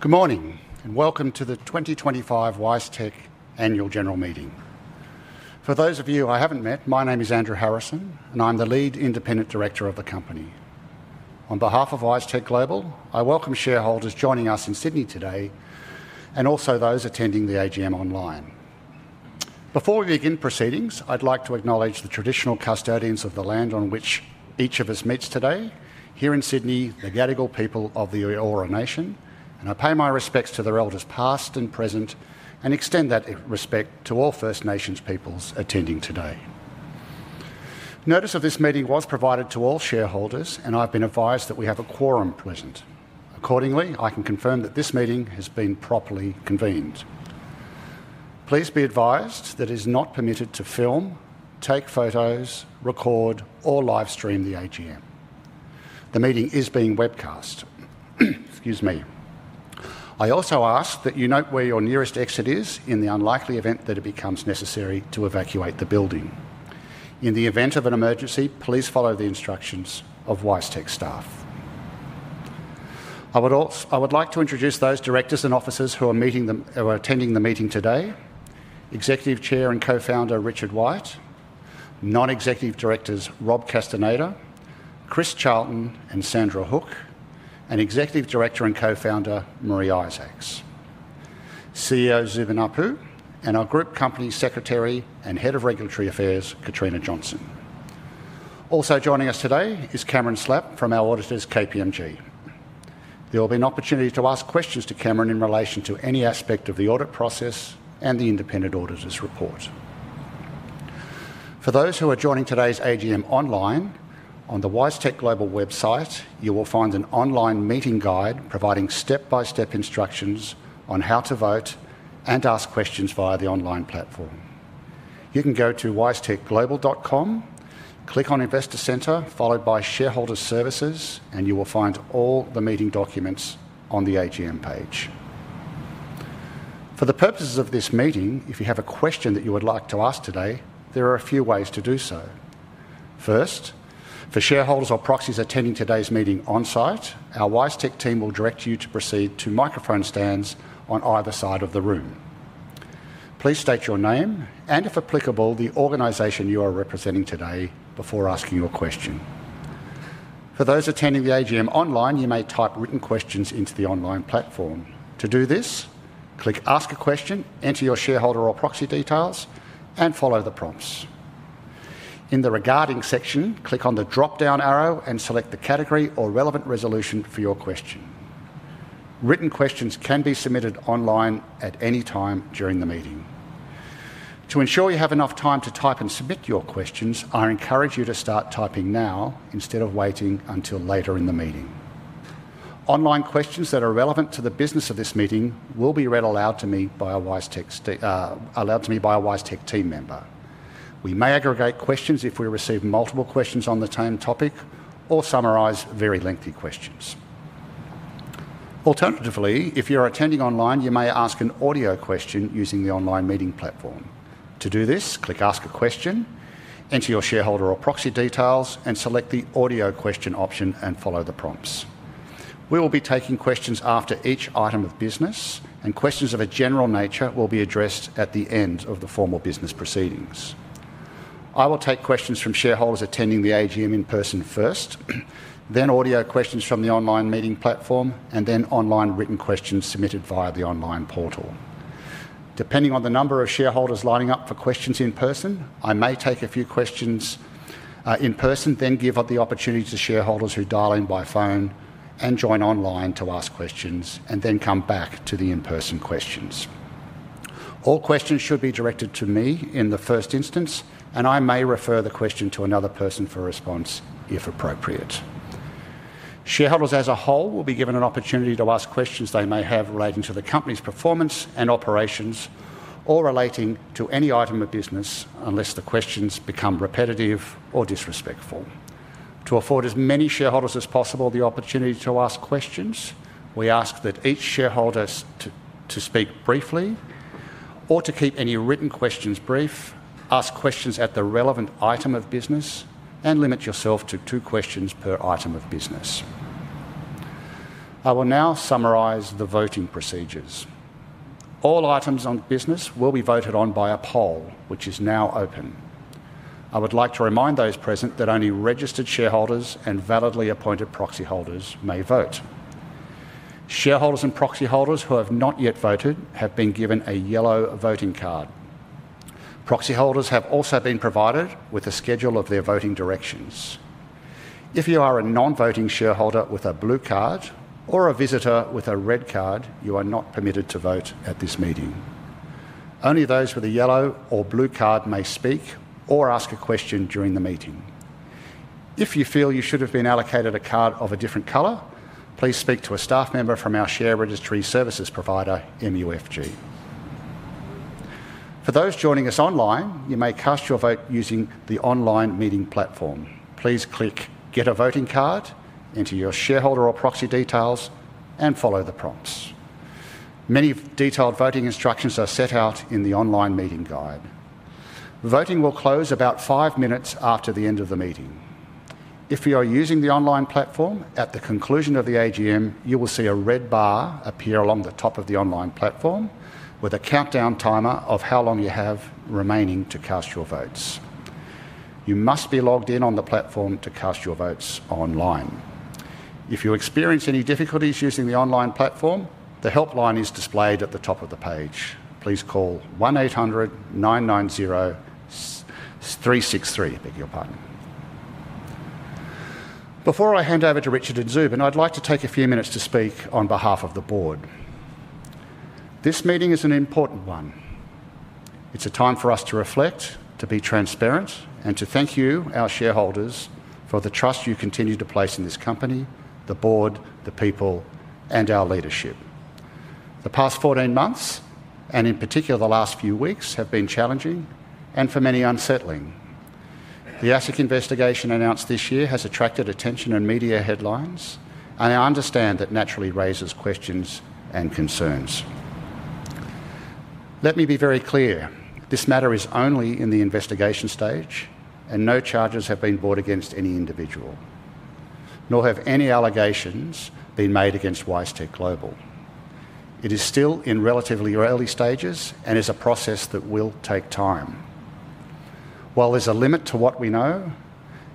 Good morning, and welcome to the 2025 WiseTech Annual General Meeting. For those of you I haven't met, my name is Andrew Harrison, and I'm the lead independent director of the company. On behalf of WiseTech Global, I welcome shareholders joining us in Sydney today, and also those attending the AGM online. Before we begin proceedings, I'd like to acknowledge the traditional custodians of the land on which each of us meets today, here in Sydney, the Gadigal people of the Eora Nation, and I pay my respects to their elders past and present, and extend that respect to all First Nations peoples attending today. Notice of this meeting was provided to all shareholders, and I've been advised that we have a quorum present. Accordingly, I can confirm that this meeting has been properly convened. Please be advised that it is not permitted to film, take photos, record, or live stream the AGM. The meeting is being webcast. Excuse me. I also ask that you note where your nearest exit is in the unlikely event that it becomes necessary to evacuate the building. In the event of an emergency, please follow the instructions of WiseTech staff. I would like to introduce those directors and officers who are attending the meeting today: Executive Chair and Co-Founder Richard White, Non-Executive Directors Rob Castaneda, Chris Charlton, and Sandra Hook, and Executive Director and Co-Founder Maree Isaacs, CEO Zubin Appoo, and our Group Company Secretary and Head of Regulatory Affairs, Katrina Johnson. Also joining us today is Cameron Slapp from our auditors, KPMG. There will be an opportunity to ask questions to Cameron in relation to any aspect of the audit process and the independent auditor's report. For those who are joining today's AGM online, on the WiseTech Global website, you will find an online meeting guide providing step-by-step instructions on how to vote and ask questions via the online platform. You can go to wisetechglobal.com, click on Investor centre, followed by Shareholder services, and you will find all the meeting documents on the AGM page. For the purposes of this meeting, if you have a question that you would like to ask today, there are a few ways to do so. First, for shareholders or proxies attending today's meeting on-site, our WiseTech team will direct you to proceed to microphone stands on either side of the room. Please state your name and, if applicable, the organization you are representing today before asking your question. For those attending the AGM online, you may type written questions into the online platform. To do this, click Ask a Question, enter your shareholder or proxy details, and follow the prompts. In the Regarding section, click on the drop-down arrow and select the category or relevant resolution for your question. Written questions can be submitted online at any time during the meeting. To ensure you have enough time to type and submit your questions, I encourage you to start typing now instead of waiting until later in the meeting. Online questions that are relevant to the business of this meeting will be read aloud to me by a WiseTech team member. We may aggregate questions if we receive multiple questions on the same topic or summarize very lengthy questions. Alternatively, if you are attending online, you may ask an audio question using the online meeting platform. To do this, click Ask a Question, enter your shareholder or proxy details, and select the Audio Question option and follow the prompts. We will be taking questions after each item of business, and questions of a general nature will be addressed at the end of the formal business proceedings. I will take questions from shareholders attending the AGM in person first, then audio questions from the online meeting platform, and then online written questions submitted via the online portal. Depending on the number of shareholders lining up for questions in person, I may take a few questions in person, then give the opportunity to shareholders who dial in by phone and join online to ask questions, and then come back to the in-person questions. All questions should be directed to me in the first instance, and I may refer the question to another person for a response if appropriate. Shareholders as a whole will be given an opportunity to ask questions they may have relating to the company's performance and operations, or relating to any item of business, unless the questions become repetitive or disrespectful. To afford as many shareholders as possible the opportunity to ask questions, we ask that each shareholder speak briefly, or to keep any written questions brief, ask questions at the relevant item of business, and limit yourself to two questions per item of business. I will now summarize the voting procedures. All items on business will be voted on by a poll, which is now open. I would like to remind those present that only registered shareholders and validly appointed proxy holders may vote. Shareholders and proxy holders who have not yet voted have been given a yellow voting card. Proxy holders have also been provided with a schedule of their voting directions. If you are a non-voting shareholder with a blue card or a visitor with a red card, you are not permitted to vote at this meeting. Only those with a yellow or blue card may speak or ask a question during the meeting. If you feel you should have been allocated a card of a different color, please speak to a staff member from our share registry services provider, MUFG. For those joining us online, you may cast your vote using the online meeting platform. Please click Get a Voting Card, enter your shareholder or proxy details, and follow the prompts. Many detailed voting instructions are set out in the online meeting guide. Voting will close about five minutes after the end of the meeting. If you are using the online platform, at the conclusion of the AGM, you will see a red bar appear along the top of the online platform with a countdown timer of how long you have remaining to cast your votes. You must be logged in on the platform to cast your votes online. If you experience any difficulties using the online platform, the helpline is displayed at the top of the page. Please call 1-800-990-363. Before I hand over to Richard and Zubin, I'd like to take a few minutes to speak on behalf of the board. This meeting is an important one. It's a time for us to reflect, to be transparent, and to thank you, our shareholders, for the trust you continue to place in this company, the board, the people, and our leadership. The past 14 months, and in particular the last few weeks, have been challenging and for many unsettling. The ASIC investigation announced this year has attracted attention and media headlines, and I understand that naturally raises questions and concerns. Let me be very clear: this matter is only in the investigation stage, and no charges have been brought against any individual, nor have any allegations been made against WiseTech Global. It is still in relatively early stages and is a process that will take time. While there's a limit to what we know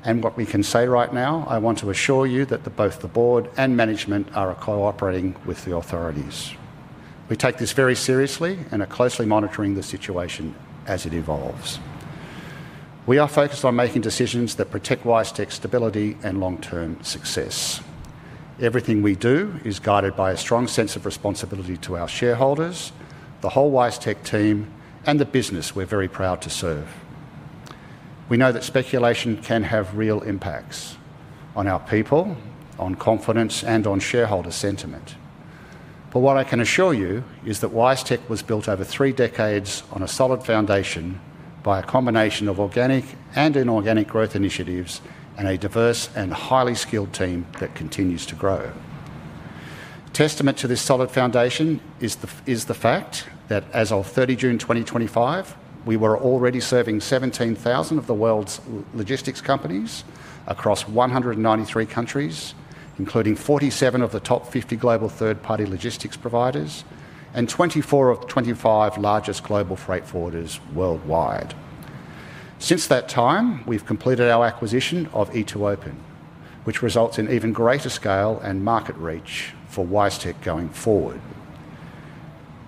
and what we can say right now, I want to assure you that both the board and management are cooperating with the authorities. We take this very seriously and are closely monitoring the situation as it evolves. We are focused on making decisions that protect WiseTech's stability and long-term success. Everything we do is guided by a strong sense of responsibility to our shareholders, the whole WiseTech team, and the business we're very proud to serve. We know that speculation can have real impacts on our people, on confidence, and on shareholder sentiment. What I can assure you is that WiseTech was built over three decades on a solid foundation by a combination of organic and inorganic growth initiatives and a diverse and highly skilled team that continues to grow. Testament to this solid foundation is the fact that as of 30 June 2025, we were already serving 17,000 of the world's logistics companies across 193 countries, including 47 of the top 50 global third-party logistics providers and 24 of 25 largest global freight forwarders worldwide. Since that time, we've completed our acquisition of e2open, which results in even greater scale and market reach for WiseTech going forward.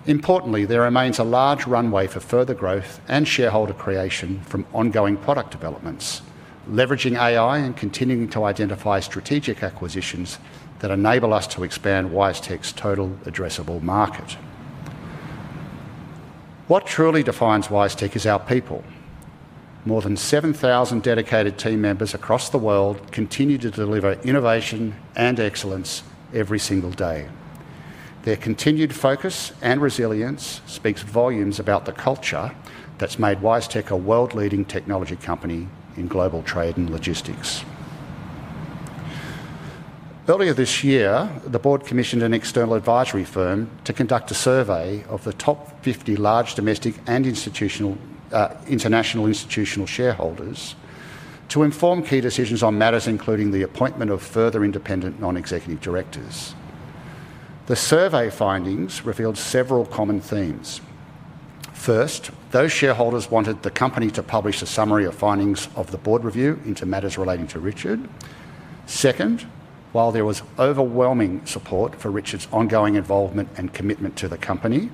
Importantly, there remains a large runway for further growth and shareholder creation from ongoing product developments, leveraging AI and continuing to identify strategic acquisitions that enable us to expand WiseTech's total addressable market. What truly defines WiseTech is our people. More than 7,000 dedicated team members across the world continue to deliver innovation and excellence every single day. Their continued focus and resilience speaks volumes about the culture that's made WiseTech a world-leading technology company in global trade and logistics. Earlier this year, the board commissioned an external advisory firm to conduct a survey of the top 50 large domestic and international institutional shareholders to inform key decisions on matters including the appointment of further independent non-executive directors. The survey findings revealed several common themes. First, those shareholders wanted the company to publish a summary of findings of the board review into matters relating to Richard. Second, while there was overwhelming support for Richard's ongoing involvement and commitment to the company,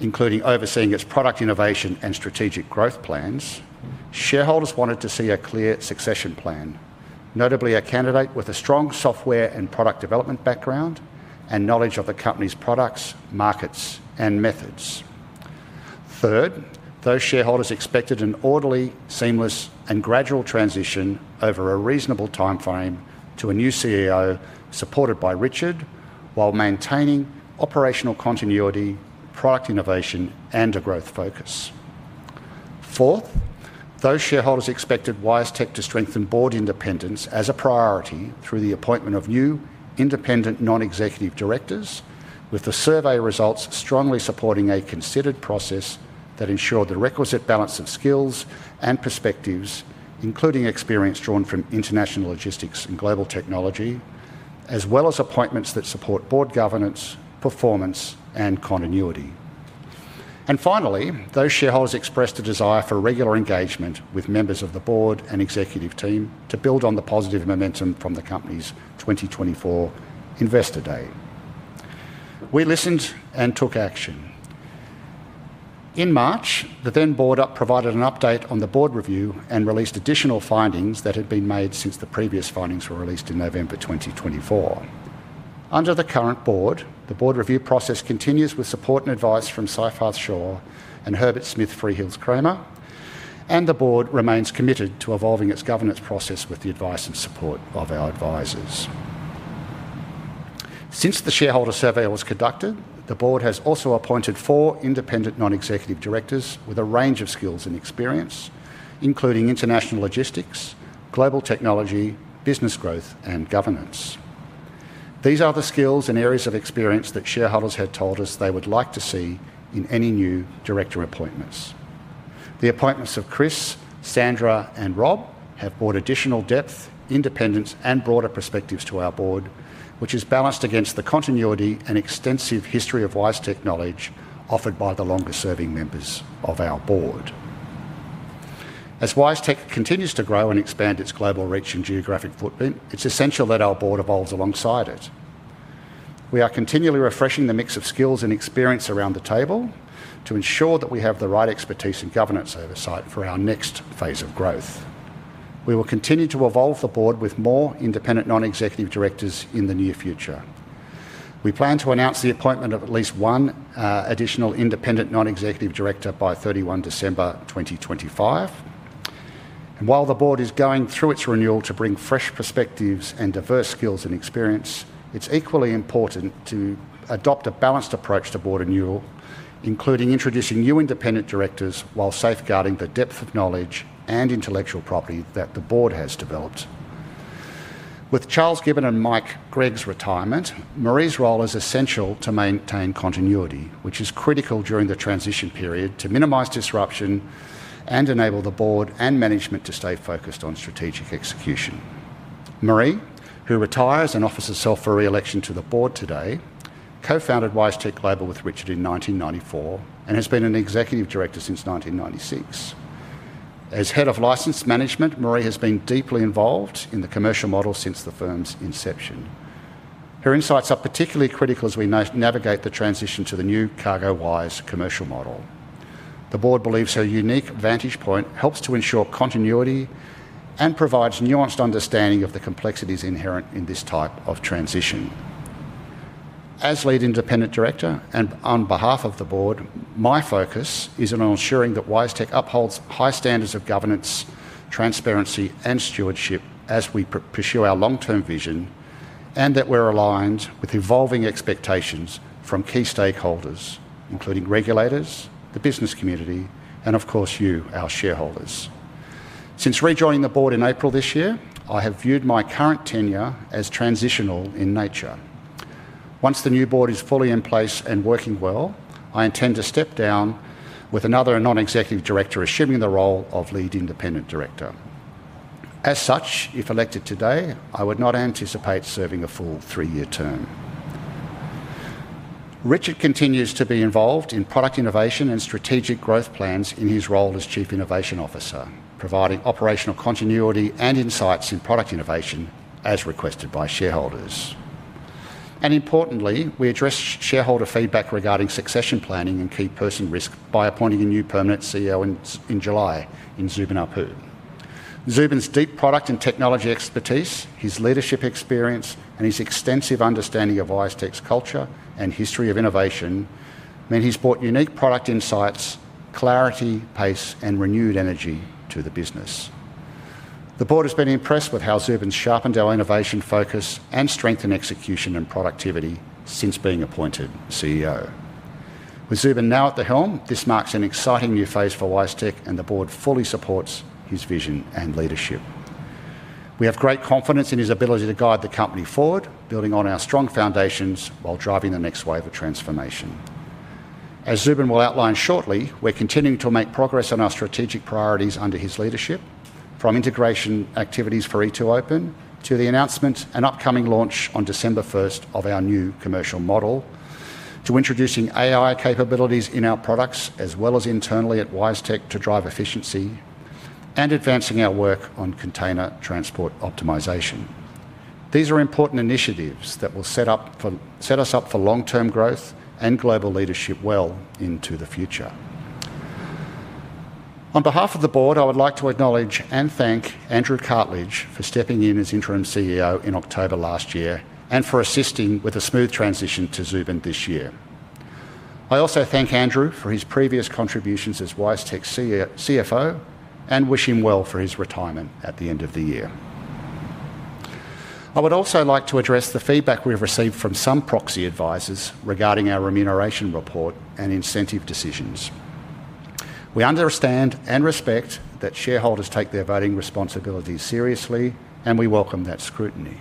including overseeing its product innovation and strategic growth plans, shareholders wanted to see a clear succession plan, notably a candidate with a strong software and product development background and knowledge of the company's products, markets, and methods. Third, those shareholders expected an orderly, seamless, and gradual transition over a reasonable timeframe to a new CEO supported by Richard while maintaining operational continuity, product innovation, and a growth focus. Fourth, those shareholders expected WiseTech to strengthen board independence as a priority through the appointment of new independent non-executive directors, with the survey results strongly supporting a considered process that ensured the requisite balance of skills and perspectives, including experience drawn from international logistics and global technology, as well as appointments that support board governance, performance, and continuity. Finally, those shareholders expressed a desire for regular engagement with members of the board and executive team to build on the positive momentum from the company's 2024 Investor Day. We listened and took action. In March, the then board provided an update on the board review and released additional findings that had been made since the previous findings were released in November 2024. Under the current board, the board review process continues with support and advice from Seyfarth Shaw and Herbert Smith Freehills, and the board remains committed to evolving its governance process with the advice and support of our advisors. Since the shareholder survey was conducted, the board has also appointed four independent non-executive directors with a range of skills and experience, including international logistics, global technology, business growth, and governance. These are the skills and areas of experience that shareholders had told us they would like to see in any new director appointments. The appointments of Chris, Sandra, and Rob have brought additional depth, independence, and broader perspectives to our board, which is balanced against the continuity and extensive history of WiseTech knowledge offered by the longer-serving members of our board. As WiseTech continues to grow and expand its global reach and geographic footprint, it's essential that our board evolves alongside it. We are continually refreshing the mix of skills and experience around the table to ensure that we have the right expertise and governance oversight for our next phase of growth. We will continue to evolve the board with more independent non-executive directors in the near future. We plan to announce the appointment of at least one additional independent non-executive director by 31 December 2025. While the board is going through its renewal to bring fresh perspectives and diverse skills and experience, it's equally important to adopt a balanced approach to board renewal, including introducing new independent directors while safeguarding the depth of knowledge and intellectual property that the board has developed. With Charles Gibbon and Mike Gregg's retirement, Maree's role is essential to maintain continuity, which is critical during the transition period to minimize disruption and enable the board and management to stay focused on strategic execution. Maree, who retires and offers herself for re-election to the board today, co-founded WiseTech Global with Richard in 1994 and has been an executive director since 1996. As Head of License Management, Maree has been deeply involved in the commercial model since the firm's inception. Her insights are particularly critical as we navigate the transition to the new CargoWise commercial model. The board believes her unique vantage point helps to ensure continuity and provides nuanced understanding of the complexities inherent in this type of transition. As Lead Independent Director and on behalf of the board, my focus is on ensuring that WiseTech upholds high standards of governance, transparency, and stewardship as we pursue our long-term vision, and that we're aligned with evolving expectations from key stakeholders, including regulators, the business community, and of course, you, our shareholders. Since rejoining the board in April this year, I have viewed my current tenure as transitional in nature. Once the new board is fully in place and working well, I intend to step down with another non-executive director assuming the role of Lead Independent Director. As such, if elected today, I would not anticipate serving a full three-year term. Richard continues to be involved in product innovation and strategic growth plans in his role as Chief Innovation Officer, providing operational continuity and insights in product innovation as requested by shareholders. Importantly, we address shareholder feedback regarding succession planning and key person risk by appointing a new permanent CEO in July in Zubin Appoo. Zubin's deep product and technology expertise, his leadership experience, and his extensive understanding of WiseTech's culture and history of innovation mean he's brought unique product insights, clarity, pace, and renewed energy to the business. The board has been impressed with how Zubin's sharpened our innovation focus and strengthened execution and productivity since being appointed CEO. With Zubin now at the helm, this marks an exciting new phase for WiseTech, and the board fully supports his vision and leadership. We have great confidence in his ability to guide the company forward, building on our strong foundations while driving the next wave of transformation. As Zubin will outline shortly, we're continuing to make progress on our strategic priorities under his leadership, from integration activities for e2open to the announcement and upcoming launch on December 1 of our new commercial model, to introducing AI capabilities in our products as well as internally at WiseTech to drive efficiency and advancing our work on container transport optimisation. These are important initiatives that will set us up for long-term growth and global leadership well into the future. On behalf of the board, I would like to acknowledge and thank Andrew Cartledge for stepping in as interim CEO in October last year and for assisting with a smooth transition to Zubin this year. I also thank Andrew for his previous contributions as WiseTech's CFO and wish him well for his retirement at the end of the year. I would also like to address the feedback we've received from some proxy advisors regarding our remuneration report and incentive decisions. We understand and respect that shareholders take their voting responsibilities seriously, and we welcome that scrutiny.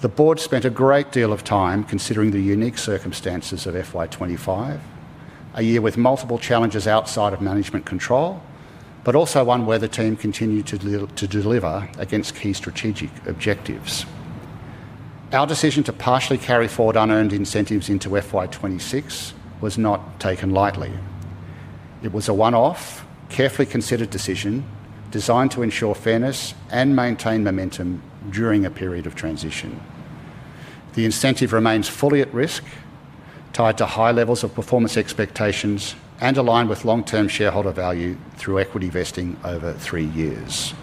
The board spent a great deal of time considering the unique circumstances of FY25, a year with multiple challenges outside of management control, but also one where the team continued to deliver against key strategic objectives. Our decision to partially carry forward unearned incentives into FY26 was not taken lightly. It was a one-off, carefully considered decision designed to ensure fairness and maintain momentum during a period of transition. The incentive remains fully at risk, tied to high levels of performance expectations, and aligned with long-term shareholder value through equity vesting over three years.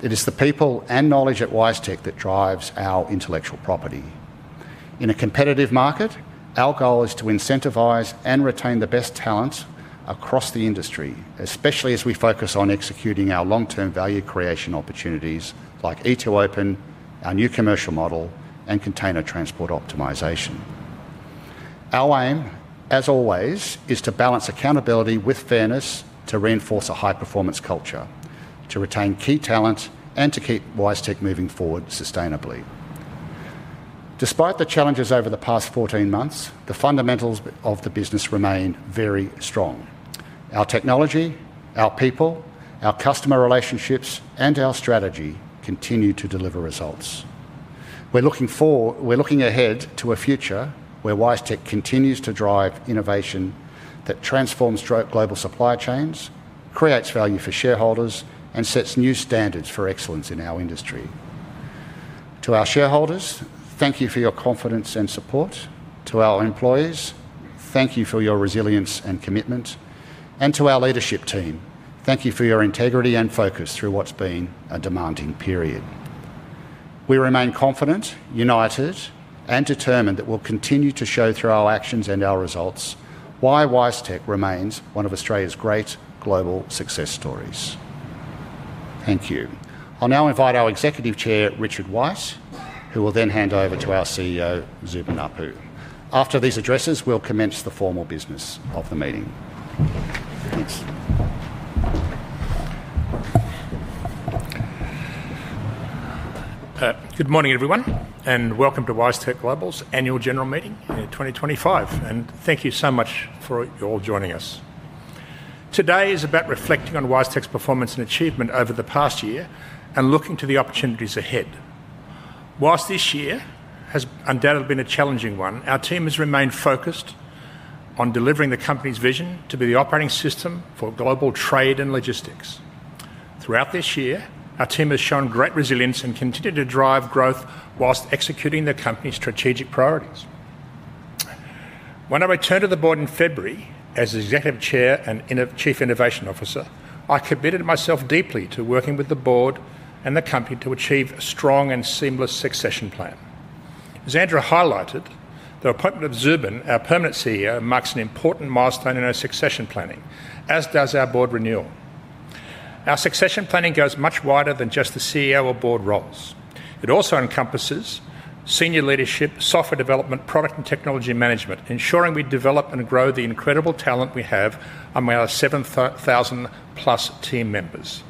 It is the people and knowledge at WiseTech that drives our intellectual property. In a competitive market, our goal is to incentivise and retain the best talent across the industry, especially as we focus on executing our long-term value creation opportunities like e2open, our new commercial model, and container transport optimisation. Our aim, as always, is to balance accountability with fairness to reinforce a high-performance culture, to retain key talent, and to keep WiseTech moving forward sustainably. Despite the challenges over the past 14 months, the fundamentals of the business remain very strong. Our technology, our people, our customer relationships, and our strategy continue to deliver results. We're looking ahead to a future where WiseTech continues to drive innovation that transforms global supply chains, creates value for shareholders, and sets new standards for excellence in our industry. To our shareholders, thank you for your confidence and support. To our employees, thank you for your resilience and commitment. To our leadership team, thank you for your integrity and focus through what's been a demanding period. We remain confident, united, and determined that we'll continue to show through our actions and our results why WiseTech remains one of Australia's great global success stories. Thank you. I'll now invite our Executive Chair, Richard White, who will then hand over to our CEO, Zubin Appoo. After these addresses, we'll commence the formal business of the meeting. Thanks. Good morning, everyone, and welcome to WiseTech Global's annual general meeting in 2025. Thank you so much for you all joining us. Today is about reflecting on WiseTech's performance and achievement over the past year and looking to the opportunities ahead. Whilst this year has undoubtedly been a challenging one, our team has remained focused on delivering the company's vision to be the operating system for global trade and logistics. Throughout this year, our team has shown great resilience and continued to drive growth whilst executing the company's strategic priorities. When I returned to the board in February as Executive Chair and Chief Innovation Officer, I committed myself deeply to working with the board and the company to achieve a strong and seamless succession plan. As Andrew highlighted, the appointment of Zubin, our permanent CEO, marks an important milestone in our succession planning, as does our board renewal. Our succession planning goes much wider than just the CEO or board roles. It also encompasses senior leadership, software development, product, and technology management, ensuring we develop and grow the incredible talent we have among our 7,000+ team members.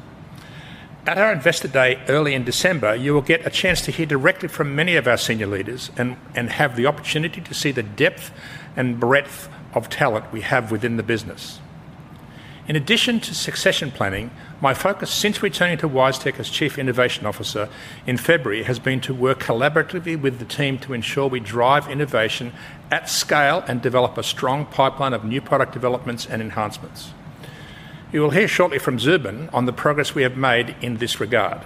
At our Investor Day early in December, you will get a chance to hear directly from many of our senior leaders and have the opportunity to see the depth and breadth of talent we have within the business. In addition to succession planning, my focus since returning to WiseTech as Chief Innovation Officer in February has been to work collaboratively with the team to ensure we drive innovation at scale and develop a strong pipeline of new product developments and enhancements. You will hear shortly from Zubin on the progress we have made in this regard,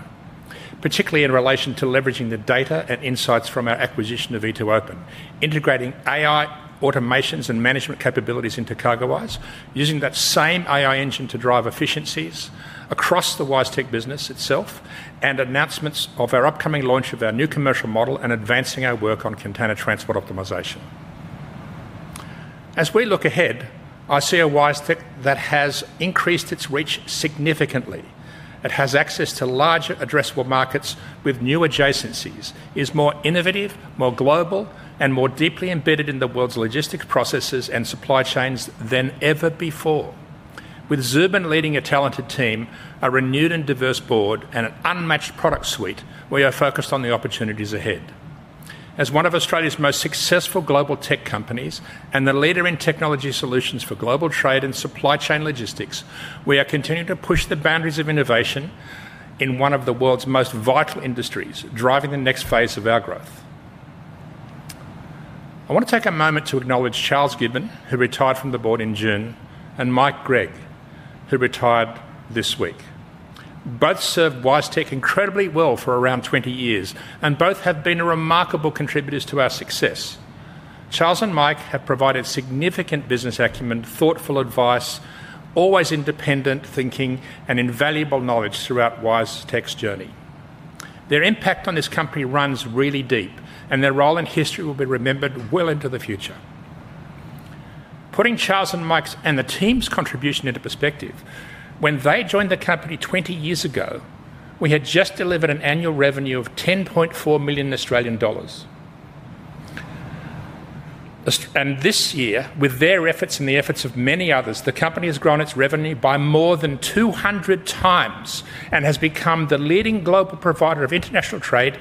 particularly in relation to leveraging the data and insights from our acquisition of e2open, integrating AI automations and management capabilities into CargoWise, using that same AI engine to drive efficiencies across the WiseTech business itself, and announcements of our upcoming launch of our new commercial model and advancing our work on container transport optimisation. As we look ahead, I see a WiseTech that has increased its reach significantly. It has access to larger addressable markets with new adjacencies, is more innovative, more global, and more deeply embedded in the world's logistics processes and supply chains than ever before. With Zubin leading a talented team, a renewed and diverse board, and an unmatched product suite, we are focused on the opportunities ahead. As one of Australia's most successful global tech companies and the leader in technology solutions for global trade and supply chain logistics, we are continuing to push the boundaries of innovation in one of the world's most vital industries, driving the next phase of our growth. I want to take a moment to acknowledge Charles Gibbon, who retired from the board in June, and Mike Gregg, who retired this week. Both served WiseTech incredibly well for around 20 years, and both have been remarkable contributors to our success. Charles and Mike have provided significant business acumen, thoughtful advice, always independent thinking, and invaluable knowledge throughout WiseTech's journey. Their impact on this company runs really deep, and their role and history will be remembered well into the future. Putting Charles and Mike's and the team's contribution into perspective, when they joined the company 20 years ago, we had just delivered an annual revenue of 10.4 million Australian dollars. This year, with their efforts and the efforts of many others, the company has grown its revenue by more than 200 times and has become the leading global provider of international trade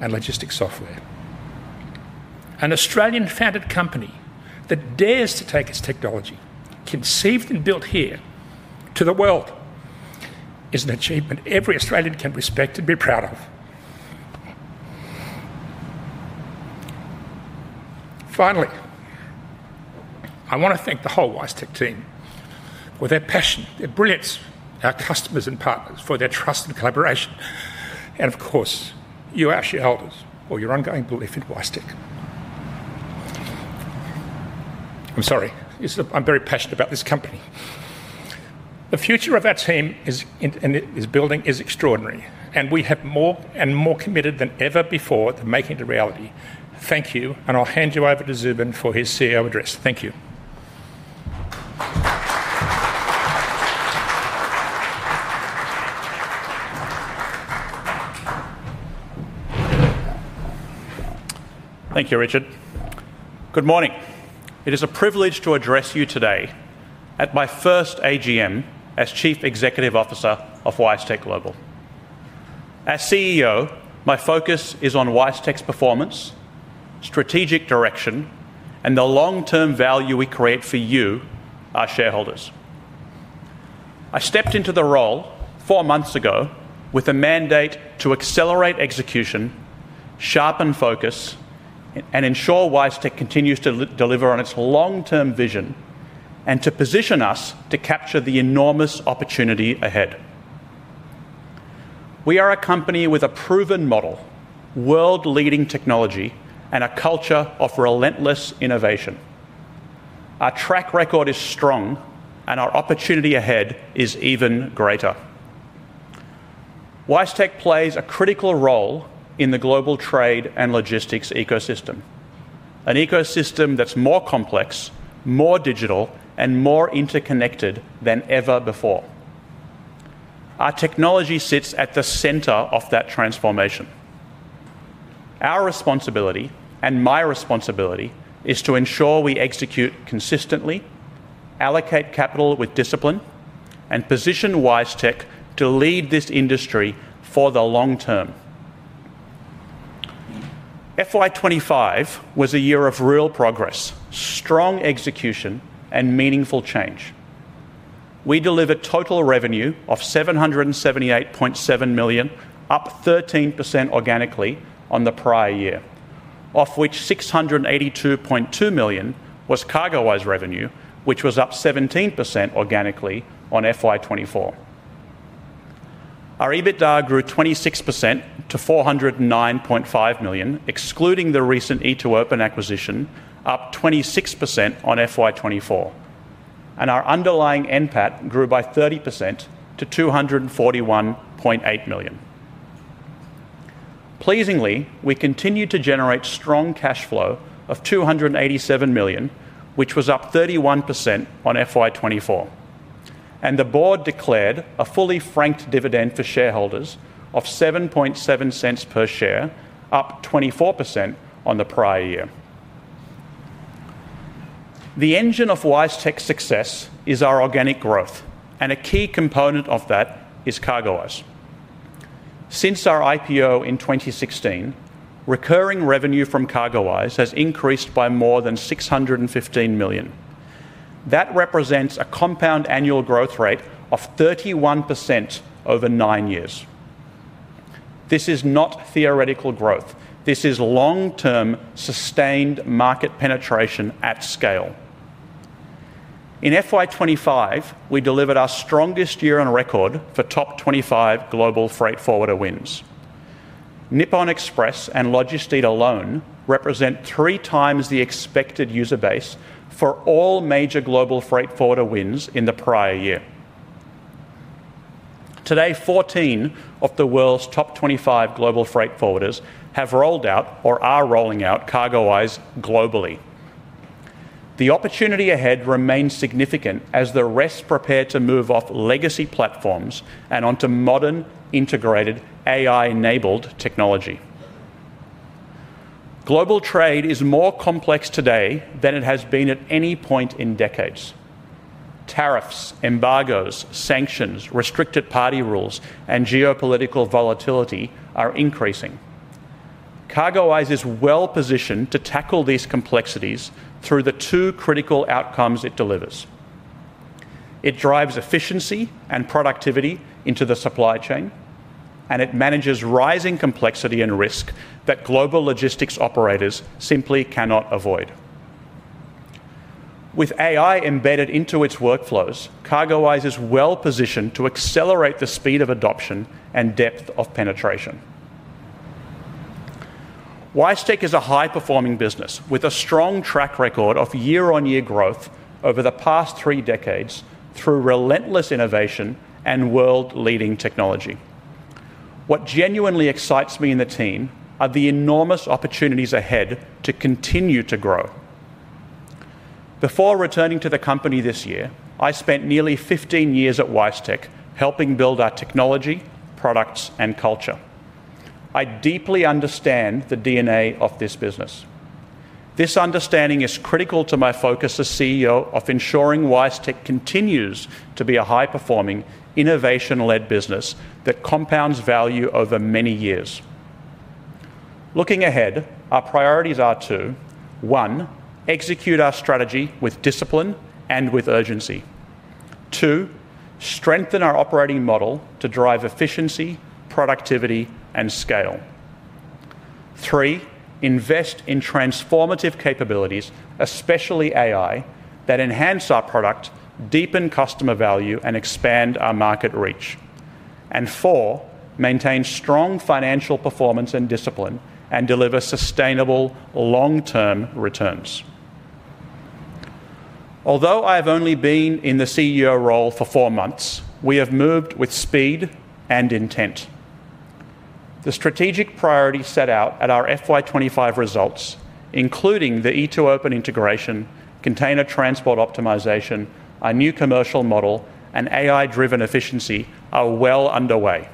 and logistics software. An Australian-founded company that dares to take its technology, conceived and built here, to the world is an achievement every Australian can respect and be proud of. Finally, I want to thank the whole WiseTech team for their passion, their brilliance, our customers and partners for their trust and collaboration. Of course, you, our shareholders, for your ongoing belief in WiseTech. I'm sorry, I'm very passionate about this company. The future of our team and its building is extraordinary, and we are more and more committed than ever before to making it a reality. Thank you, and I'll hand you over to Zubin for his CEO address. Thank you. Thank you, Richard. Good morning. It is a privilege to address you today at my first AGM as Chief Executive Officer of WiseTech Global. As CEO, my focus is on WiseTech's performance, strategic direction, and the long-term value we create for you, our shareholders. I stepped into the role four months ago with a mandate to accelerate execution, sharpen focus, and ensure WiseTech continues to deliver on its long-term vision and to position us to capture the enormous opportunity ahead. We are a company with a proven model, world-leading technology, and a culture of relentless innovation. Our track record is strong, and our opportunity ahead is even greater. WiseTech plays a critical role in the global trade and logistics ecosystem, an ecosystem that's more complex, more digital, and more interconnected than ever before. Our technology sits at the center of that transformation. Our responsibility and my responsibility is to ensure we execute consistently, allocate capital with discipline, and position WiseTech to lead this industry for the long term. FY25 was a year of real progress, strong execution, and meaningful change. We delivered total revenue of 778.7 million, up 13% organically on the prior year, of which 682.2 million was CargoWise revenue, which was up 17% organically on FY24. Our EBITDA grew 26% to 409.5 million, excluding the recent e2open acquisition, up 26% on FY24. Our underlying NPAT grew by 30% to 241.8 million. Pleasingly, we continue to generate strong cash flow of 287 million, which was up 31% on FY24. The board declared a fully franked dividend for shareholders of 0.077 per share, up 24% on the prior year. The engine of WiseTech's success is our organic growth, and a key component of that is CargoWise. Since our IPO in 2016, recurring revenue from CargoWise has increased by more than 615 million. That represents a compound annual growth rate of 31% over nine years. This is not theoretical growth. This is long-term sustained market penetration at scale. In FY25, we delivered our strongest year on record for top 25 global freight forwarder wins. Nippon Express and LOGISTEED alone represent three times the expected user base for all major global freight forwarder wins in the prior year. Today, 14 of the world's top 25 global freight forwarders have rolled out or are rolling out CargoWise globally. The opportunity ahead remains significant as the rest prepare to move off legacy platforms and onto modern, integrated, AI-enabled technology. Global trade is more complex today than it has been at any point in decades. Tariffs, embargoes, sanctions, restricted party rules, and geopolitical volatility are increasing. CargoWise is well positioned to tackle these complexities through the two critical outcomes it delivers. It drives efficiency and productivity into the supply chain, and it manages rising complexity and risk that global logistics operators simply cannot avoid. With AI embedded into its workflows, CargoWise is well positioned to accelerate the speed of adoption and depth of penetration. WiseTech is a high-performing business with a strong track record of year-on-year growth over the past three decades through relentless innovation and world-leading technology. What genuinely excites me and the team are the enormous opportunities ahead to continue to grow. Before returning to the company this year, I spent nearly 15 years at WiseTech helping build our technology, products, and culture. I deeply understand the DNA of this business. This understanding is critical to my focus as CEO of ensuring WiseTech continues to be a high-performing, innovation-led business that compounds value over many years. Looking ahead, our priorities are to, one, execute our strategy with discipline and with urgency. Two, strengthen our operating model to drive efficiency, productivity, and scale. Three, invest in transformative capabilities, especially AI, that enhance our product, deepen customer value, and expand our market reach. Four, maintain strong financial performance and discipline and deliver sustainable long-term returns. Although I have only been in the CEO role for four months, we have moved with speed and intent. The strategic priorities set out at our FY25 results, including the e2open integration, Container Transport Optimisation, our new commercial model, and AI-driven efficiency, are well underway.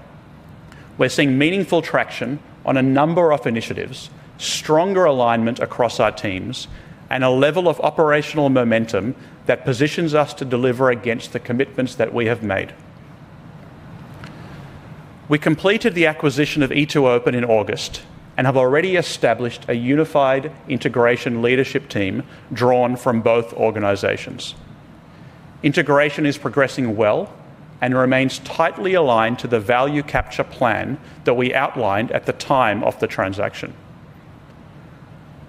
We're seeing meaningful traction on a number of initiatives, stronger alignment across our teams, and a level of operational momentum that positions us to deliver against the commitments that we have made. We completed the acquisition of e2open in August and have already established a unified integration leadership team drawn from both organizations. Integration is progressing well and remains tightly aligned to the value capture plan that we outlined at the time of the transaction.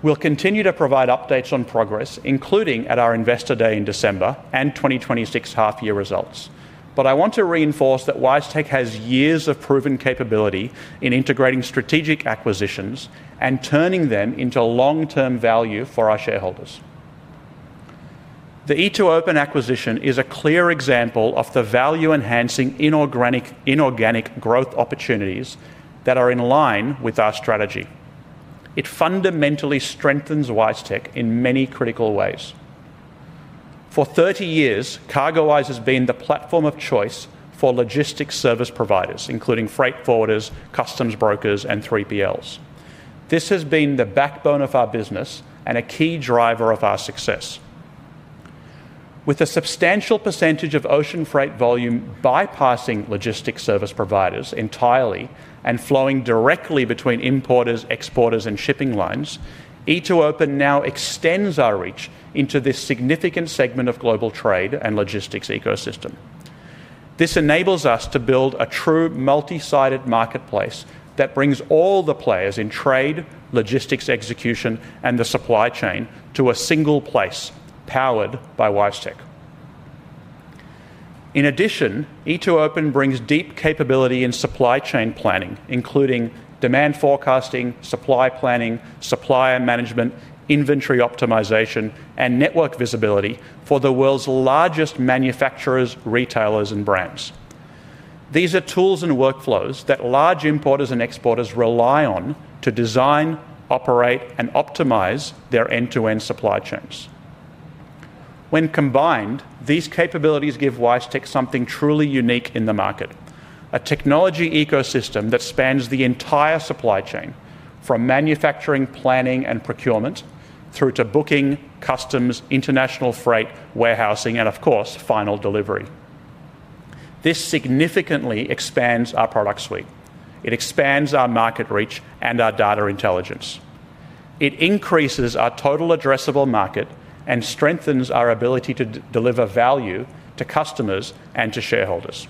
We will continue to provide updates on progress, including at our Investor Day in December and 2026 half-year results. I want to reinforce that WiseTech has years of proven capability in integrating strategic acquisitions and turning them into long-term value for our shareholders. The e2open acquisition is a clear example of the value-enhancing inorganic growth opportunities that are in line with our strategy. It fundamentally strengthens WiseTech in many critical ways. For 30 years, CargoWise has been the platform of choice for logistics service providers, including freight forwarders, customs brokers, and 3PLs. This has been the backbone of our business and a key driver of our success. With a substantial percentage of ocean freight volume bypassing logistics service providers entirely and flowing directly between importers, exporters, and shipping lines, e2open now extends our reach into this significant segment of global trade and logistics ecosystem. This enables us to build a true multi-sided marketplace that brings all the players in trade, logistics execution, and the supply chain to a single place powered by WiseTech. In addition, e2open brings deep capability in supply chain planning, including demand forecasting, supply planning, supplier management, inventory optimisation, and network visibility for the world's largest manufacturers, retailers, and brands. These are tools and workflows that large importers and exporters rely on to design, operate, and optimise their end-to-end supply chains. When combined, these capabilities give WiseTech something truly unique in the market, a technology ecosystem that spans the entire supply chain from manufacturing, planning, and procurement through to booking, customs, international freight, warehousing, and of course, final delivery. This significantly expands our product suite. It expands our market reach and our data intelligence. It increases our total addressable market and strengthens our ability to deliver value to customers and to shareholders.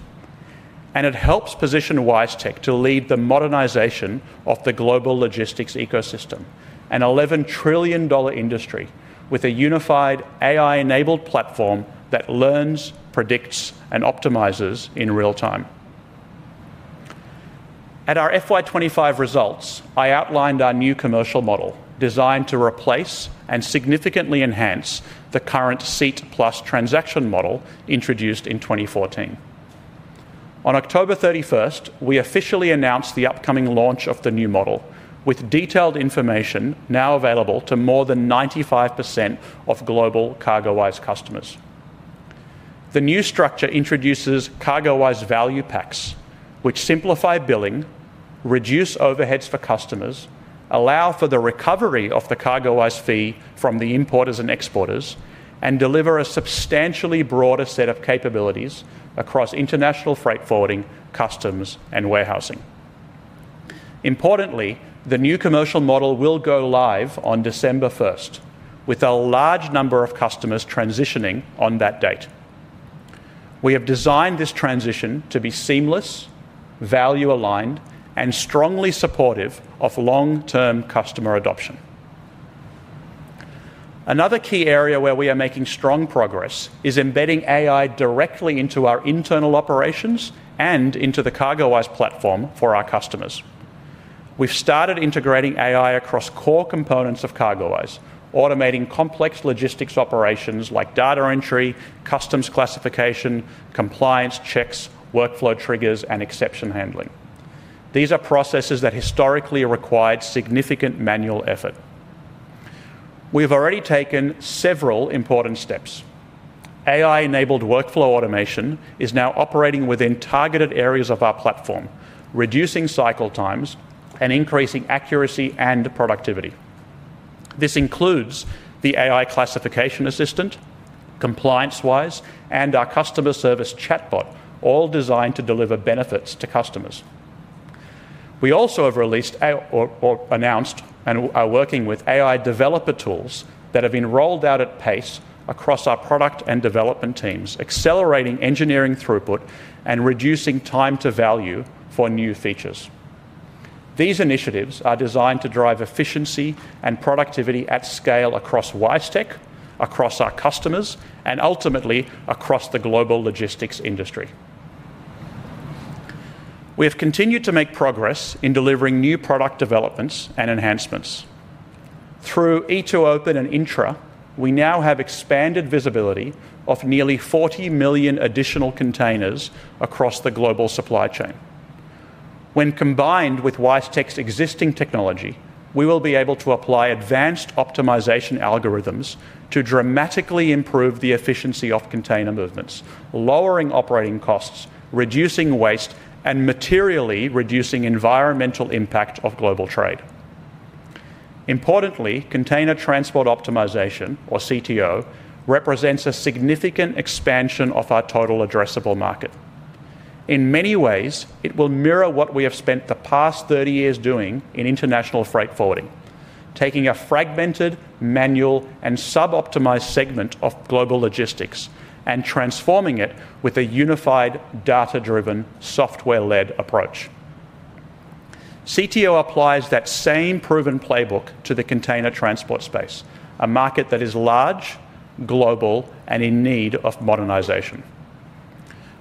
It helps position WiseTech to lead the modernization of the global logistics ecosystem, an $11 trillion industry with a unified AI-enabled platform that learns, predicts, and optimizes in real time. At our FY25 results, I outlined our new commercial model designed to replace and significantly enhance the current seat plus transaction model introduced in 2014. On October 31st, we officially announced the upcoming launch of the new model with detailed information now available to more than 95% of global CargoWise customers. The new structure introduces CargoWise value packs, which simplify billing, reduce overheads for customers, allow for the recovery of the CargoWise fee from the importers and exporters, and deliver a substantially broader set of capabilities across international freight forwarding, customs, and warehousing. Importantly, the new commercial model will go live on December 1, with a large number of customers transitioning on that date. We have designed this transition to be seamless, value-aligned, and strongly supportive of long-term customer adoption. Another key area where we are making strong progress is embedding AI directly into our internal operations and into the CargoWise platform for our customers. We've started integrating AI across core components of CargoWise, automating complex logistics operations like data entry, customs classification, compliance checks, workflow triggers, and exception handling. These are processes that historically required significant manual effort. We've already taken several important steps. AI-enabled workflow automation is now operating within targeted areas of our platform, reducing cycle times and increasing accuracy and productivity. This includes the AI Classification Assistant, ComplianceWise, and our Customer Service Chatbot, all designed to deliver benefits to customers. We also have released or announced and are working with AI developer tools that have been rolled out at pace across our product and development teams, accelerating engineering throughput and reducing time to value for new features. These initiatives are designed to drive efficiency and productivity at scale across WiseTech, across our customers, and ultimately across the global logistics industry. We have continued to make progress in delivering new product developments and enhancements. Through e2open and Intra, we now have expanded visibility of nearly 40 million additional containers across the global supply chain. When combined with WiseTech's existing technology, we will be able to apply advanced optimisation algorithms to dramatically improve the efficiency of container movements, lowering operating costs, reducing waste, and materially reducing environmental impact of global trade. Importantly, container transport optimisation, or CTO, represents a significant expansion of our total addressable market. In many ways, it will mirror what we have spent the past 30 years doing in international freight forwarding, taking a fragmented, manual, and sub-optimized segment of global logistics and transforming it with a unified data-driven, software-led approach. CTO applies that same proven playbook to the container transport space, a market that is large, global, and in need of modernization.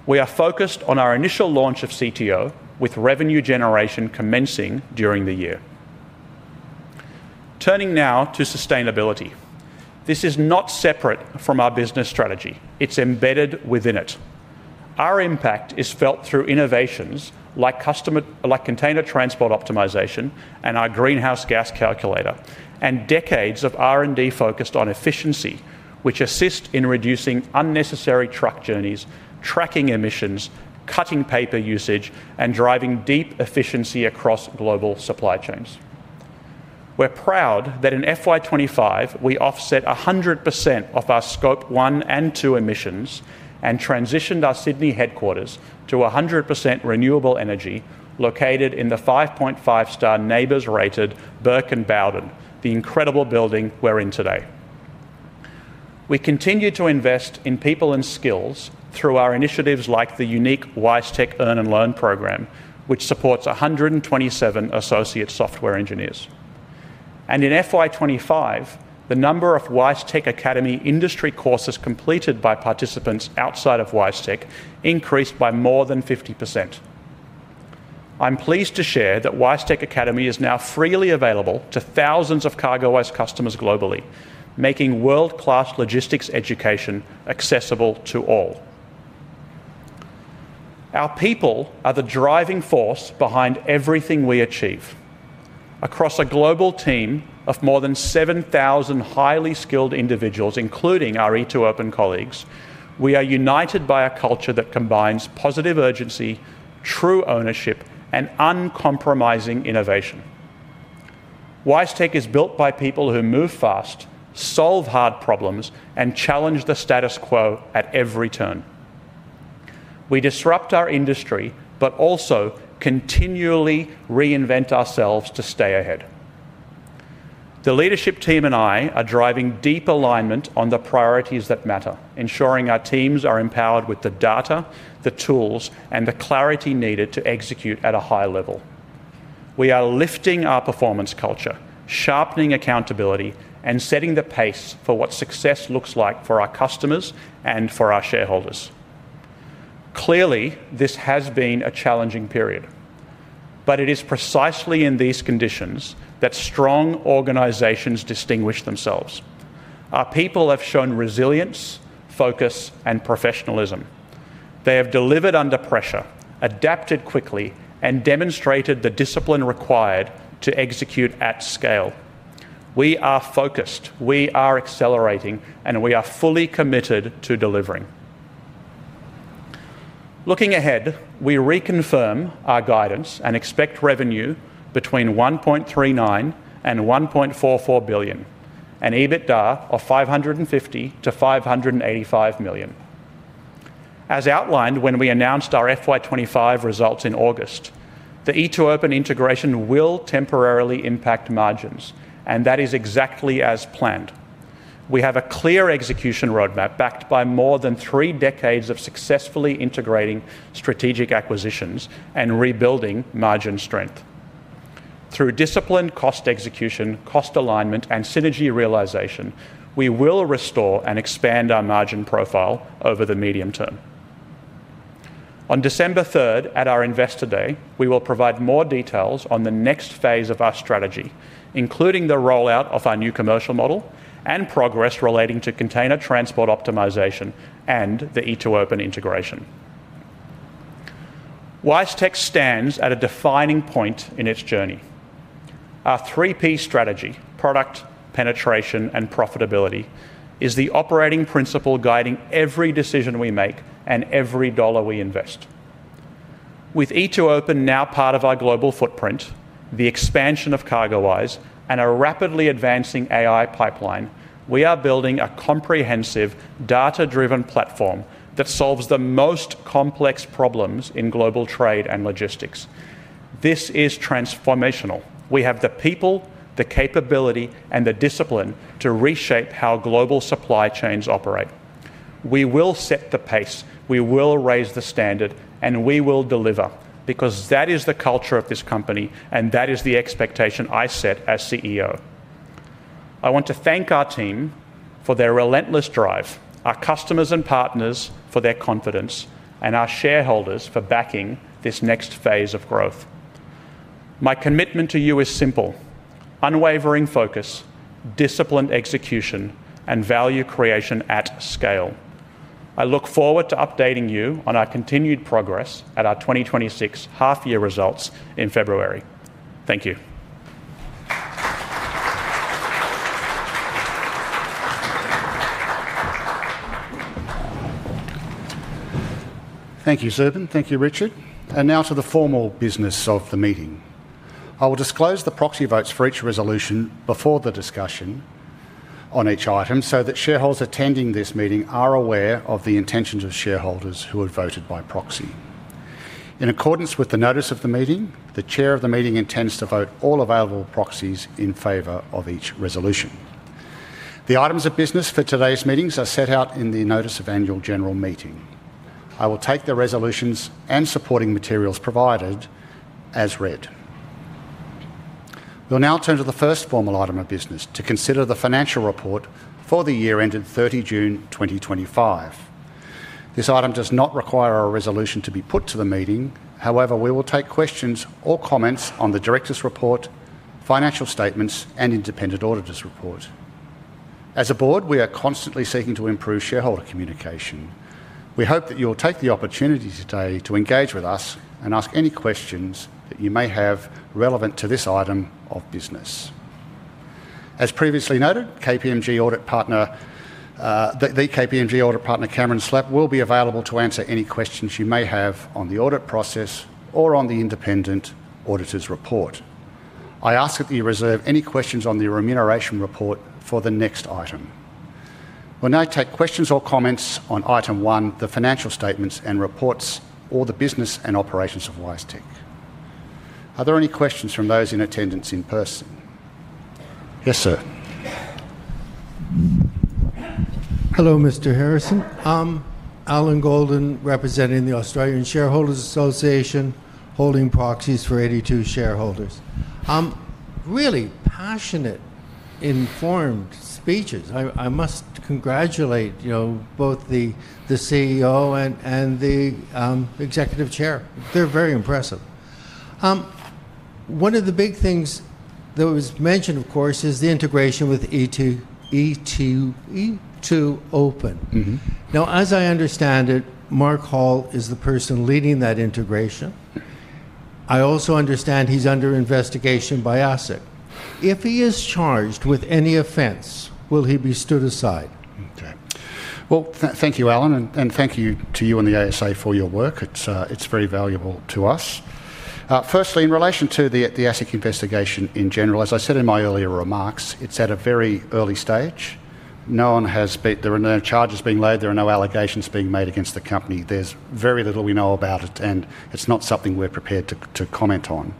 We are focused on our initial launch of CTO with revenue generation commencing during the year. Turning now to sustainability. This is not separate from our business strategy. It's embedded within it. Our impact is felt through innovations like container transport optimization and our greenhouse gas calculator, and decades of R&D focused on efficiency, which assist in reducing unnecessary truck journeys, tracking emissions, cutting paper usage, and driving deep efficiency across global supply chains. We're proud that in FY25, we offset 100% of our Scope 1 and 2 emissions and transitioned our Sydney headquarters to 100% renewable energy located in the 5.5-star NABERS-rated Burke and Bowden, the incredible building we're in today. We continue to invest in people and skills through our initiatives like the unique WiseTech Earn and Learn program, which supports 127 associate software engineers. In FY25, the number of WiseTech Academy industry courses completed by participants outside of WiseTech increased by more than 50%. I'm pleased to share that WiseTech Academy is now freely available to thousands of CargoWise customers globally, making world-class logistics education accessible to all. Our people are the driving force behind everything we achieve. Across a global team of more than 7,000 highly skilled individuals, including our e2open colleagues, we are united by a culture that combines positive urgency, true ownership, and uncompromising innovation. WiseTech is built by people who move fast, solve hard problems, and challenge the status quo at every turn. We disrupt our industry, but also continually reinvent ourselves to stay ahead. The leadership team and I are driving deep alignment on the priorities that matter, ensuring our teams are empowered with the data, the tools, and the clarity needed to execute at a high level. We are lifting our performance culture, sharpening accountability, and setting the pace for what success looks like for our customers and for our shareholders. Clearly, this has been a challenging period, but it is precisely in these conditions that strong organizations distinguish themselves. Our people have shown resilience, focus, and professionalism. They have delivered under pressure, adapted quickly, and demonstrated the discipline required to execute at scale. We are focused, we are accelerating, and we are fully committed to delivering. Looking ahead, we reconfirm our guidance and expect revenue between 1.39 billion and 1.44 billion, an EBITDA of 550 million-585 million. As outlined when we announced our FY25 results in August, the e2open integration will temporarily impact margins, and that is exactly as planned. We have a clear execution roadmap backed by more than three decades of successfully integrating strategic acquisitions and rebuilding margin strength. Through disciplined cost execution, cost alignment, and synergy realisation, we will restore and expand our margin profile over the medium term. On December 3rd, at our Investor Day, we will provide more details on the next phase of our strategy, including the rollout of our new commercial model and progress relating to container transport optimisation and the e2open integration. WiseTech stands at a defining point in its journey. Our 3P strategy, product penetration and profitability, is the operating principle guiding every decision we make and every dollar we invest. With e2open now part of our global footprint, the expansion of CargoWise, and a rapidly advancing AI pipeline, we are building a comprehensive data-driven platform that solves the most complex problems in global trade and logistics. This is transformational. We have the people, the capability, and the discipline to reshape how global supply chains operate. We will set the pace, we will raise the standard, and we will deliver because that is the culture of this company, and that is the expectation I set as CEO. I want to thank our team for their relentless drive, our customers and partners for their confidence, and our shareholders for backing this next phase of growth. My commitment to you is simple: unwavering focus, disciplined execution, and value creation at scale. I look forward to updating you on our continued progress at our 2026 half-year results in February. Thank you. Thank you, Zubin. Thank you, Richard. Now to the formal business of the meeting. I will disclose the proxy votes for each resolution before the discussion on each item so that shareholders attending this meeting are aware of the intentions of shareholders who have voted by proxy. In accordance with the notice of the meeting, the Chair of the meeting intends to vote all available proxies in favor of each resolution. The items of business for today's meeting are set out in the notice of annual general meeting. I will take the resolutions and supporting materials provided as read. We will now turn to the first formal item of business to consider the financial report for the year ended 30 June 2025. This item does not require a resolution to be put to the meeting. However, we will take questions or comments on the director's report, financial statements, and independent auditor's report. As a board, we are constantly seeking to improve shareholder communication. We hope that you'll take the opportunity today to engage with us and ask any questions that you may have relevant to this item of business. As previously noted, the KPMG audit partner, Cameron Slapp, will be available to answer any questions you may have on the audit process or on the independent auditor's report. I ask that you reserve any questions on the remuneration report for the next item. We'll now take questions or comments on item one, the financial statements and reports, or the business and operations of WiseTech. Are there any questions from those in attendance in person? Yes, sir. Hello, Mr. Harrison. Allan Goldin, representing the Australian Shareholders Association, holding proxies for 82 shareholders. Really passionate, informed speeches. I must congratulate both the CEO and the Executive Chair. They're very impressive. One of the big things that was mentioned, of course, is the integration with e2open. Now, as I understand it, Mark Hall is the person leading that integration. I also understand he's under investigation by ASIC. If he is charged with any offence, will he be stood aside? Okay. Thank you, Allan, and thank you to you and the ASA for your work. It's very valuable to us. Firstly, in relation to the ASIC investigation in general, as I said in my earlier remarks, it's at a very early stage. No one has been—there are no charges being laid. There are no allegations being made against the company. There's very little we know about it, and it's not something we're prepared to comment on.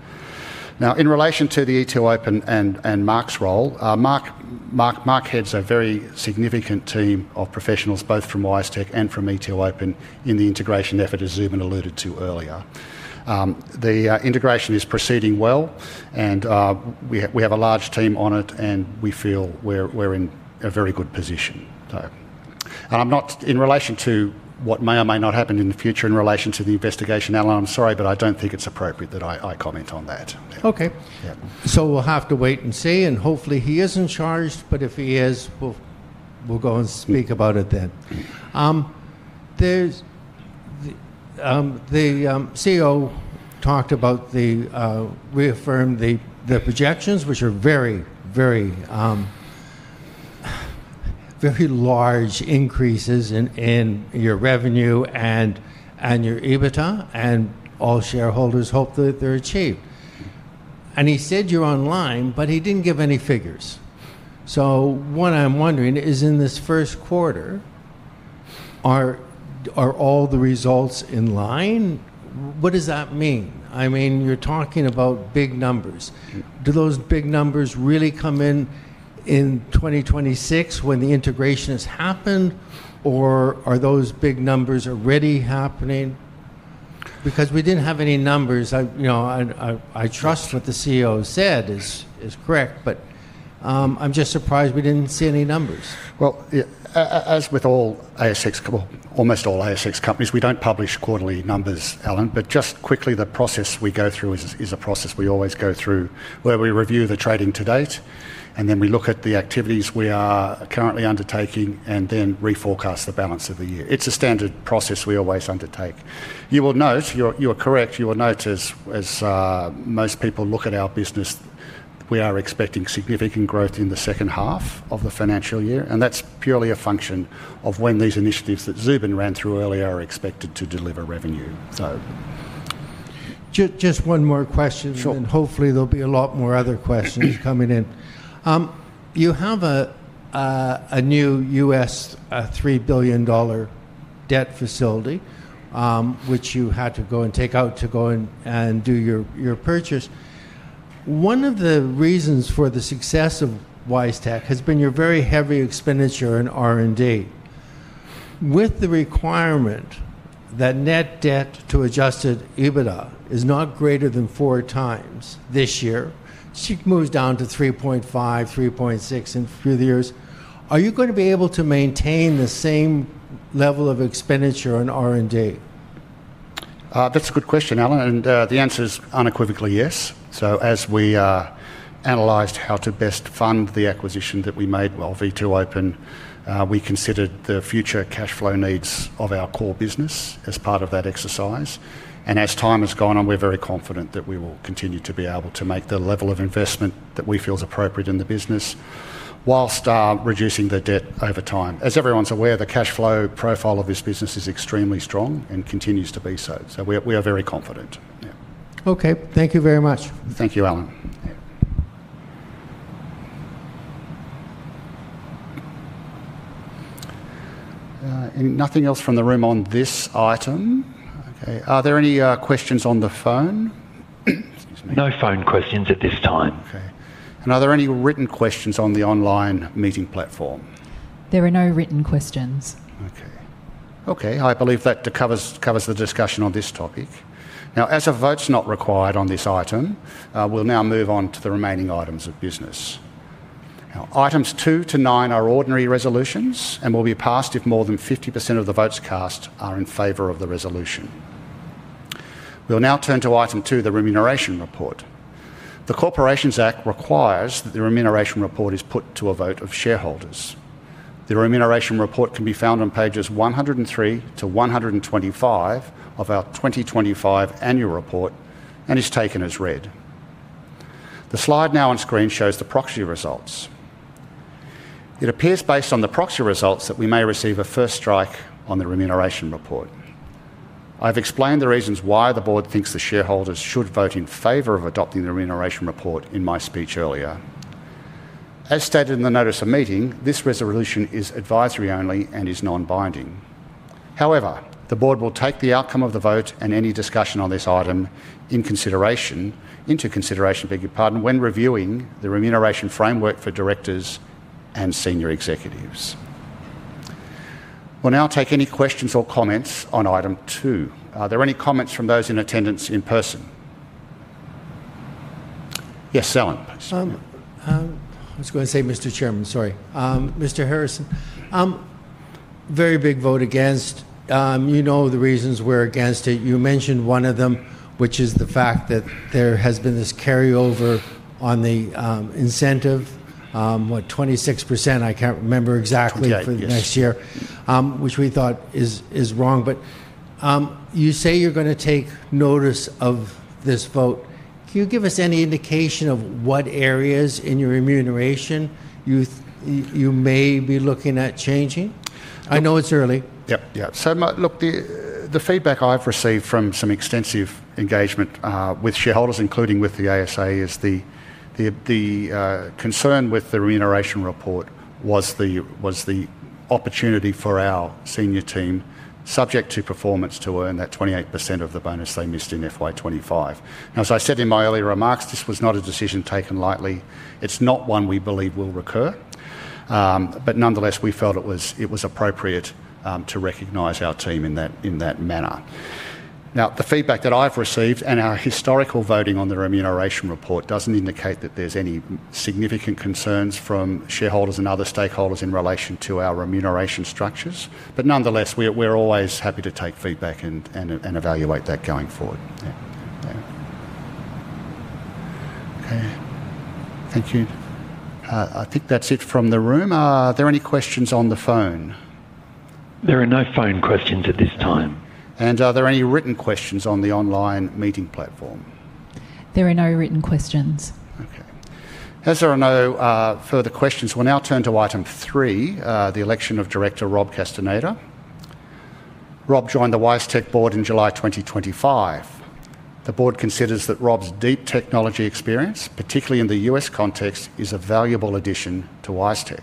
Now, in relation to the e2open and Mark's role, Mark heads a very significant team of professionals, both from WiseTech and from e2open, in the integration effort, as Zubin alluded to earlier. The integration is proceeding well, and we have a large team on it, and we feel we're in a very good position. I'm not—in relation to what may or may not happen in the future in relation to the investigation, Allan, I'm sorry, but I don't think it's appropriate that I comment on that. Okay. We'll have to wait and see, and hopefully he isn't charged, but if he is, we'll go and speak about it then. The CEO talked about the reaffirmed projections, which are very, very large increases in your revenue and your EBITDA, and all shareholders hope that they're achieved. He said you're online, but he didn't give any figures. What I'm wondering is, in this first quarter, are all the results in line? What does that mean? I mean, you're talking about big numbers. Do those big numbers really come in in 2026 when the integration has happened, or are those big numbers already happening? Because we didn't have any numbers. I trust what the CEO said is correct, but I'm just surprised we didn't see any numbers. As with all ASIC companies, we do not publish quarterly numbers, Allan, but just quickly, the process we go through is a process we always go through where we review the trading to date, and then we look at the activities we are currently undertaking and then reforecast the balance of the year. It is a standard process we always undertake. You will note—you are correct—you will note, as most people look at our business, we are expecting significant growth in the second half of the financial year, and that is purely a function of when these initiatives that Zubin ran through earlier are expected to deliver revenue. Just one more question. And hopefully there will be a lot more other questions coming in. You have a new $3 billion debt facility, which you had to go and take out to go and do your purchase. One of the reasons for the success of WiseTech has been your very heavy expenditure in R&D. With the requirement that net debt to adjusted EBITDA is not greater than four times this year, it moves down to 3.5, 3.6 in a few years. Are you going to be able to maintain the same level of expenditure in R&D? That's a good question, Allan, and the answer is unequivocally yes. As we analyzed how to best fund the acquisition that we made with e2open, we considered the future cash flow needs of our core business as part of that exercise. As time has gone on, we're very confident that we will continue to be able to make the level of investment that we feel is appropriate in the business whilst reducing the debt over time. As everyone's aware, the cash flow profile of this business is extremely strong and continues to be so. We are very confident. Okay. Thank you very much. Thank you, Allan. Nothing else from the room on this item. Okay. Are there any questions on the phone? No phone questions at this time. Okay. Are there any written questions on the online meeting platform? There are no written questions. Okay. I believe that covers the discussion on this topic. Now, as a vote is not required on this item, we'll now move on to the remaining items of business. Items two to nine are ordinary resolutions and will be passed if more than 50% of the votes cast are in favor of the resolution. We'll now turn to item two, the remuneration report. The Corporations Act requires that the remuneration report is put to a vote of shareholders. The remuneration report can be found on pages 103 to 125 of our 2025 annual report and is taken as read. The slide now on screen shows the proxy results. It appears based on the proxy results that we may receive a first strike on the remuneration report. I've explained the reasons why the board thinks the shareholders should vote in favor of adopting the remuneration report in my speech earlier. As stated in the notice of meeting, this resolution is advisory only and is non-binding. However, the board will take the outcome of the vote and any discussion on this item into consideration when reviewing the remuneration framework for directors and senior executives. We'll now take any questions or comments on item two. Are there any comments from those in attendance in person? Yes, Allan. I was going to say, Mr. Chairman, sorry. Mr. Harrison, very big vote against. You know the reasons we're against it. You mentioned one of them, which is the fact that there has been this carryover on the incentive, what, 26%? I can't remember exactly for next year, which we thought is wrong. You say you're going to take notice of this vote. Can you give us any indication of what areas in your remuneration you may be looking at changing? I know it's early. Yep. Yep. Look, the feedback I've received from some extensive engagement with shareholders, including with the ASA, is the concern with the remuneration report was the opportunity for our senior team, subject to performance, to earn that 28% of the bonus they missed in FY25. As I said in my earlier remarks, this was not a decision taken lightly. It's not one we believe will recur. Nonetheless, we felt it was appropriate to recognize our team in that manner. Now, the feedback that I've received and our historical voting on the remuneration report does not indicate that there are any significant concerns from shareholders and other stakeholders in relation to our remuneration structures. Nonetheless, we're always happy to take feedback and evaluate that going forward. Okay. Thank you. I think that's it from the room. Are there any questions on the phone? There are no phone questions at this time. Are there any written questions on the online meeting platform? There are no written questions. Okay. As there are no further questions, we'll now turn to item three, the election of Director Rob Castaneda. Rob joined the WiseTech board in July 2025. The board considers that Rob's deep technology experience, particularly in the US context, is a valuable addition to WiseTech.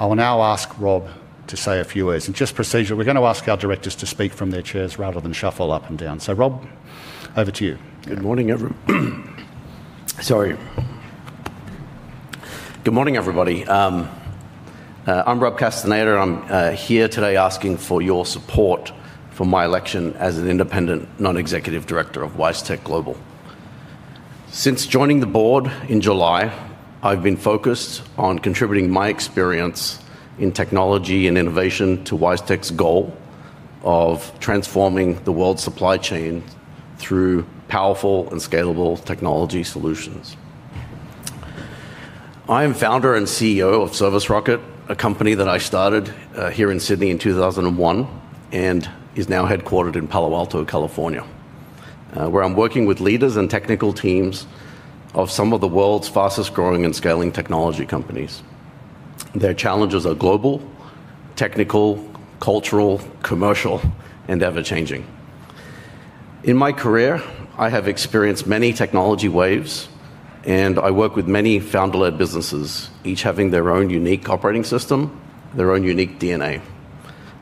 I will now ask Rob to say a few words. Just procedurally, we're going to ask our directors to speak from their chairs rather than shuffle up and down. Rob, over to you. Good morning, everyone. Sorry. Good morning, everybody. I'm Rob Castaneda, and I'm here today asking for your support for my election as an independent non-executive director of WiseTech Global. Since joining the board in July, I've been focused on contributing my experience in technology and innovation to WiseTech's goal of transforming the world's supply chain through powerful and scalable technology solutions. I am founder and CEO of ServiceRocket, a company that I started here in Sydney in 2001 and is now headquartered in Palo Alto, California, where I'm working with leaders and technical teams of some of the world's fastest-growing and scaling technology companies. Their challenges are global, technical, cultural, commercial, and ever-changing. In my career, I have experienced many technology waves, and I work with many founder-led businesses, each having their own unique operating system, their own unique DNA.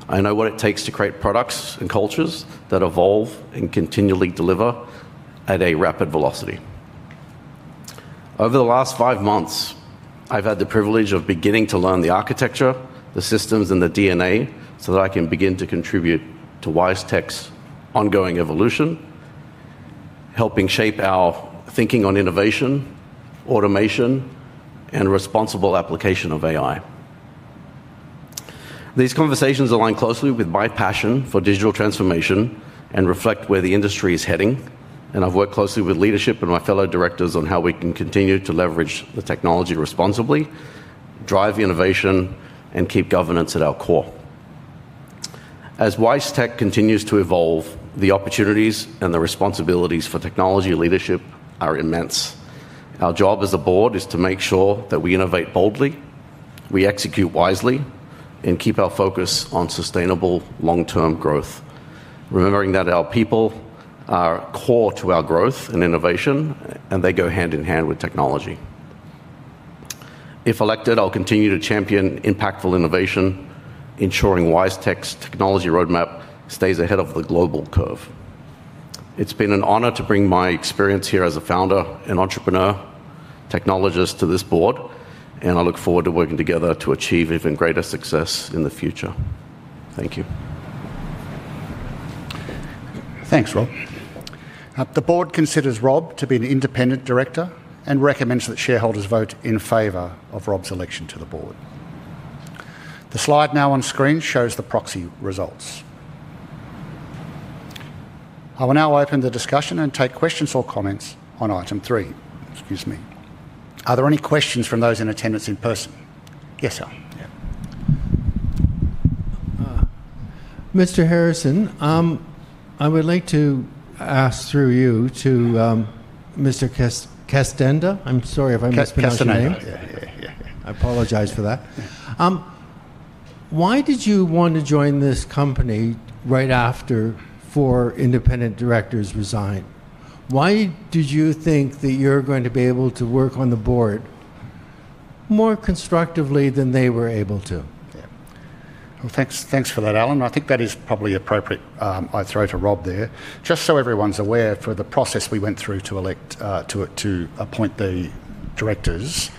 I know what it takes to create products and cultures that evolve and continually deliver at a rapid velocity. Over the last five months, I've had the privilege of beginning to learn the architecture, the systems, and the DNA so that I can begin to contribute to WiseTech's ongoing evolution, helping shape our thinking on innovation, automation, and responsible application of AI. These conversations align closely with my passion for digital transformation and reflect where the industry is heading. I have worked closely with leadership and my fellow directors on how we can continue to leverage the technology responsibly, drive innovation, and keep governance at our core. As WiseTech continues to evolve, the opportunities and the responsibilities for technology leadership are immense. Our job as a board is to make sure that we innovate boldly, we execute wisely, and keep our focus on sustainable long-term growth, remembering that our people are core to our growth and innovation, and they go hand in hand with technology. If elected, I'll continue to champion impactful innovation, ensuring WiseTech's technology roadmap stays ahead of the global curve. It's been an honor to bring my experience here as a founder and entrepreneur, technologist to this board, and I look forward to working together to achieve even greater success in the future. Thank you. Thanks, Rob. The board considers Rob to be an independent director and recommends that shareholders vote in favor of Rob's election to the board. The slide now on screen shows the proxy results. I will now open the discussion and take questions or comments on item three. Excuse me. Are there any questions from those in attendance in person? Yes, sir. Mr. Harrison, I would like to ask through you to Mr. Castaneda. I'm sorry if I mispronounced your name. Castaneda. Yeah, yeah, yeah. I apologize for that. Why did you want to join this company right after four independent directors resigned? Why did you think that you're going to be able to work on the board more constructively than they were able to? Thanks for that, Allan. I think that is probably appropriate. I'll throw to Rob there. Just so everyone's aware, for the process we went through to appoint the directors,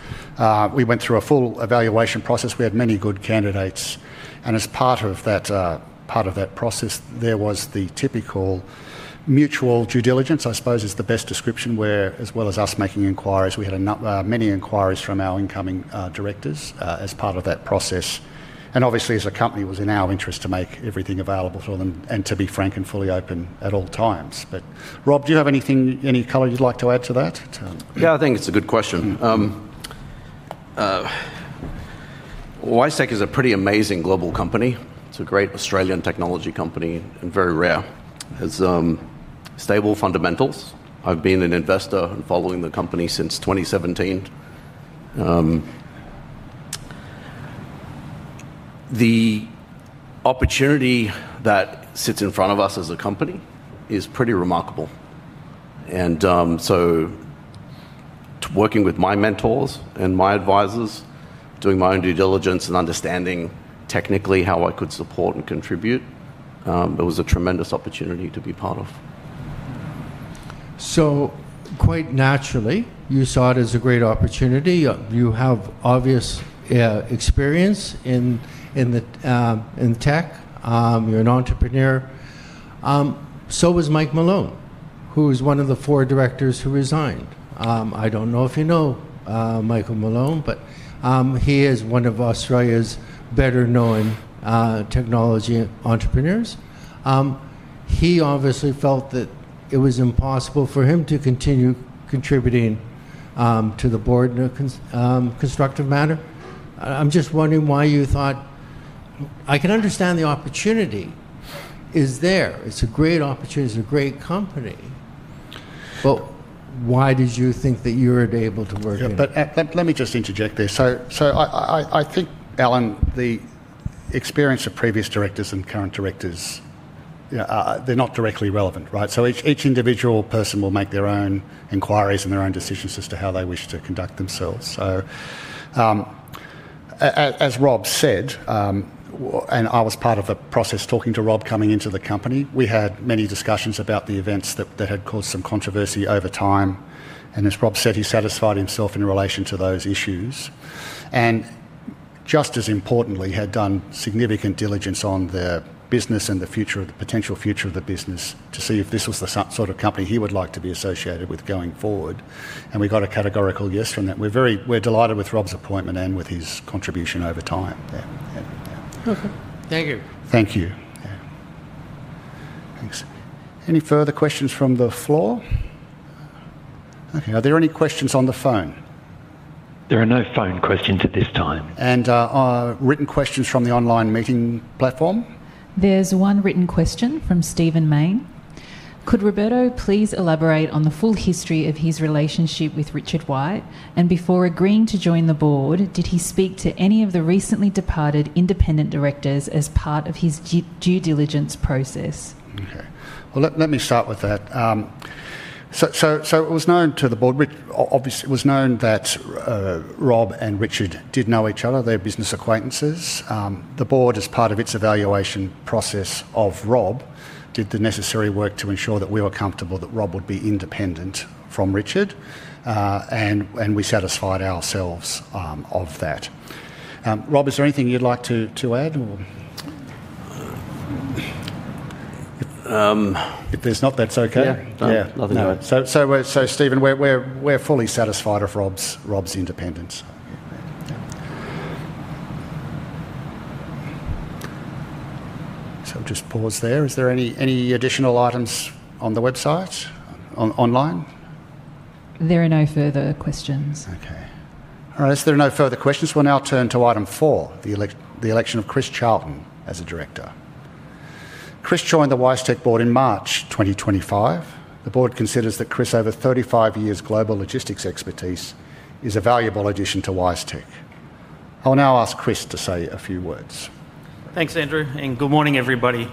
we went through a full evaluation process. We had many good candidates. As part of that process, there was the typical mutual due diligence, I suppose is the best description, where, as well as us making inquiries, we had many inquiries from our incoming directors as part of that process. Obviously, as a company, it was in our interest to make everything available to them and to be frank and fully open at all times. Rob, do you have anything, any color you'd like to add to that? Yeah, I think it's a good question. WiseTech is a pretty amazing global company. It's a great Australian technology company and very rare. It has stable fundamentals. I've been an investor and following the company since 2017. The opportunity that sits in front of us as a company is pretty remarkable. Working with my mentors and my advisors, doing my own due diligence and understanding technically how I could support and contribute, it was a tremendous opportunity to be part of. Quite naturally, you saw it as a great opportunity. You have obvious experience in tech. You're an entrepreneur. So was Mike Malone, who was one of the four directors who resigned. I don't know if you know Michael Malone, but he is one of Australia's better-known technology entrepreneurs. He obviously felt that it was impossible for him to continue contributing to the board in a constructive manner. I'm just wondering why you thought, "I can understand the opportunity is there. It's a great opportunity. It's a great company." Why did you think that you weren't able to work in it? Let me just interject there. I think, Allan, the experience of previous directors and current directors, they're not directly relevant, right? Each individual person will make their own inquiries and their own decisions as to how they wish to conduct themselves. As Rob said, and I was part of the process talking to Rob coming into the company, we had many discussions about the events that had caused some controversy over time. As Rob said, he satisfied himself in relation to those issues. Just as importantly, he had done significant diligence on the business and the potential future of the business to see if this was the sort of company he would like to be associated with going forward. We got a categorical yes from that. We're delighted with Rob's appointment and with his contribution over time. Yeah. Thank you. Thank you. Yeah. Thanks. Any further questions from the floor? Okay. Are there any questions on the phone? There are no phone questions at this time. Written questions from the online meeting platform? There's one written question from Stephen Maine. "Could Roberto please elaborate on the full history of his relationship with Richard White? And before agreeing to join the board, did he speak to any of the recently departed independent directors as part of his due diligence process?" Okay. Let me start with that. It was known to the board, obviously, it was known that Rob and Richard did know each other. They're business acquaintances. The board, as part of its evaluation process of Rob, did the necessary work to ensure that we were comfortable that Rob would be independent from Richard. We satisfied ourselves of that. Rob, is there anything you'd like to add? If there's not, that's okay. Yeah. Yeah. Stephen, we're fully satisfied of Rob's independence. I'll just pause there. Is there any additional items on the website online? There are no further questions. Okay. All right. If there are no further questions, we'll now turn to item four, the election of Chris Charlton as a director. Chris joined the WiseTech board in March 2025. The board considers that Chris's over 35 years' global logistics expertise is a valuable addition to WiseTech. I'll now ask Chris to say a few words. Thanks, Andrew. Good morning, everybody.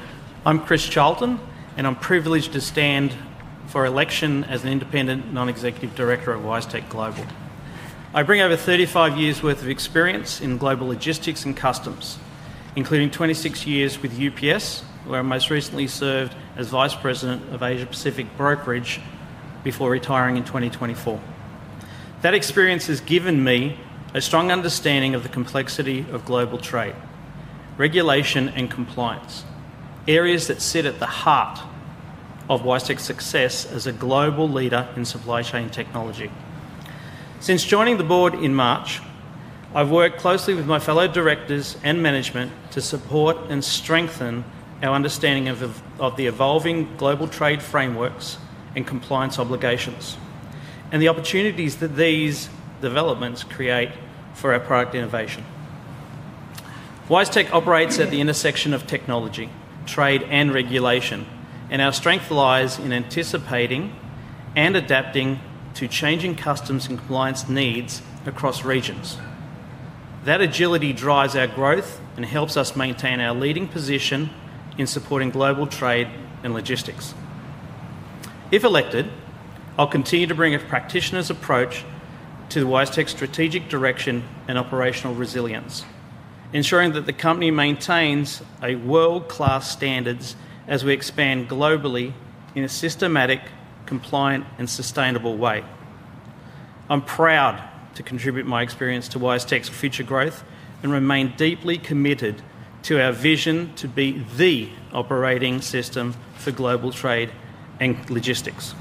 I'm Chris Charlton, and I'm privileged to stand for election as an independent non-executive director of WiseTech Global. I bring over 35 years' worth of experience in global logistics and customs, including 26 years with UPS, where I most recently served as vice president of Asia-Pacific Brokerage before retiring in 2024. That experience has given me a strong understanding of the complexity of global trade, regulation, and compliance, areas that sit at the heart of WiseTech's success as a global leader in supply chain technology. Since joining the board in March, I've worked closely with my fellow directors and management to support and strengthen our understanding of the evolving global trade frameworks and compliance obligations, and the opportunities that these developments create for our product innovation. WiseTech operates at the intersection of technology, trade, and regulation, and our strength lies in anticipating and adapting to changing customs and compliance needs across regions. That agility drives our growth and helps us maintain our leading position in supporting global trade and logistics. If elected, I'll continue to bring a practitioner's approach to WiseTech's strategic direction and operational resilience, ensuring that the company maintains world-class standards as we expand globally in a systematic, compliant, and sustainable way. I'm proud to contribute my experience to WiseTech's future growth and remain deeply committed to our vision to be the operating system for global trade and logistics.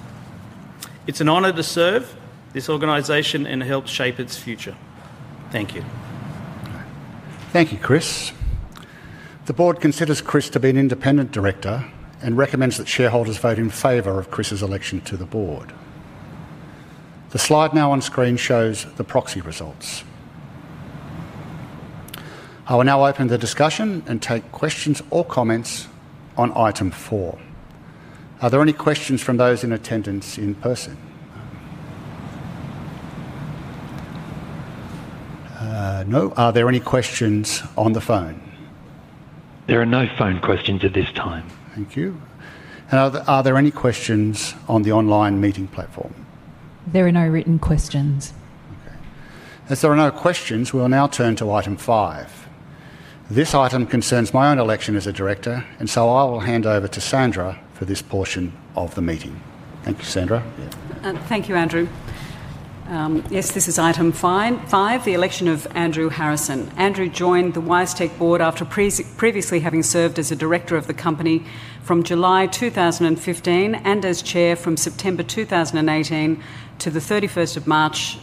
It's an honor to serve this organization and help shape its future. Thank you. Thank you, Chris. The board considers Chris to be an independent director and recommends that shareholders vote in favor of Chris's election to the board. The slide now on screen shows the proxy results. I will now open the discussion and take questions or comments on item four. Are there any questions from those in attendance in person? No. Are there any questions on the phone? There are no phone questions at this time. Thank you. Are there any questions on the online meeting platform? There are no written questions. Okay. As there are no questions, we will now turn to item five. This item concerns my own election as a director, and I will hand over to Sandra for this portion of the meeting. Thank you, Sandra. Thank you, Andrew. Yes, this is item five, the election of Andrew Harrison. Andrew joined the WiseTech board after previously having served as a director of the company from July 2015 and as chair from September 2018 to the 31st of March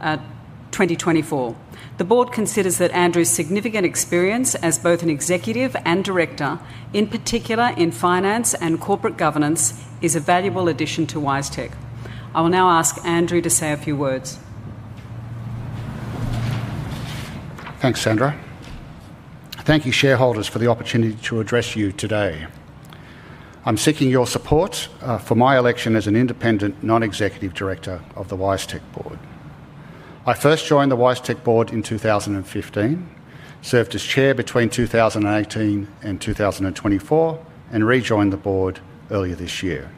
2024. The board considers that Andrew's significant experience as both an executive and director, in particular in finance and corporate governance, is a valuable addition to WiseTech. I will now ask Andrew to say a few words. Thanks, Sandra. Thank you, shareholders, for the opportunity to address you today. I'm seeking your support for my election as an independent non-executive director of the WiseTech board. I first joined the WiseTech board in 2015, served as chair between 2018 and 2024, and rejoined the board earlier this year.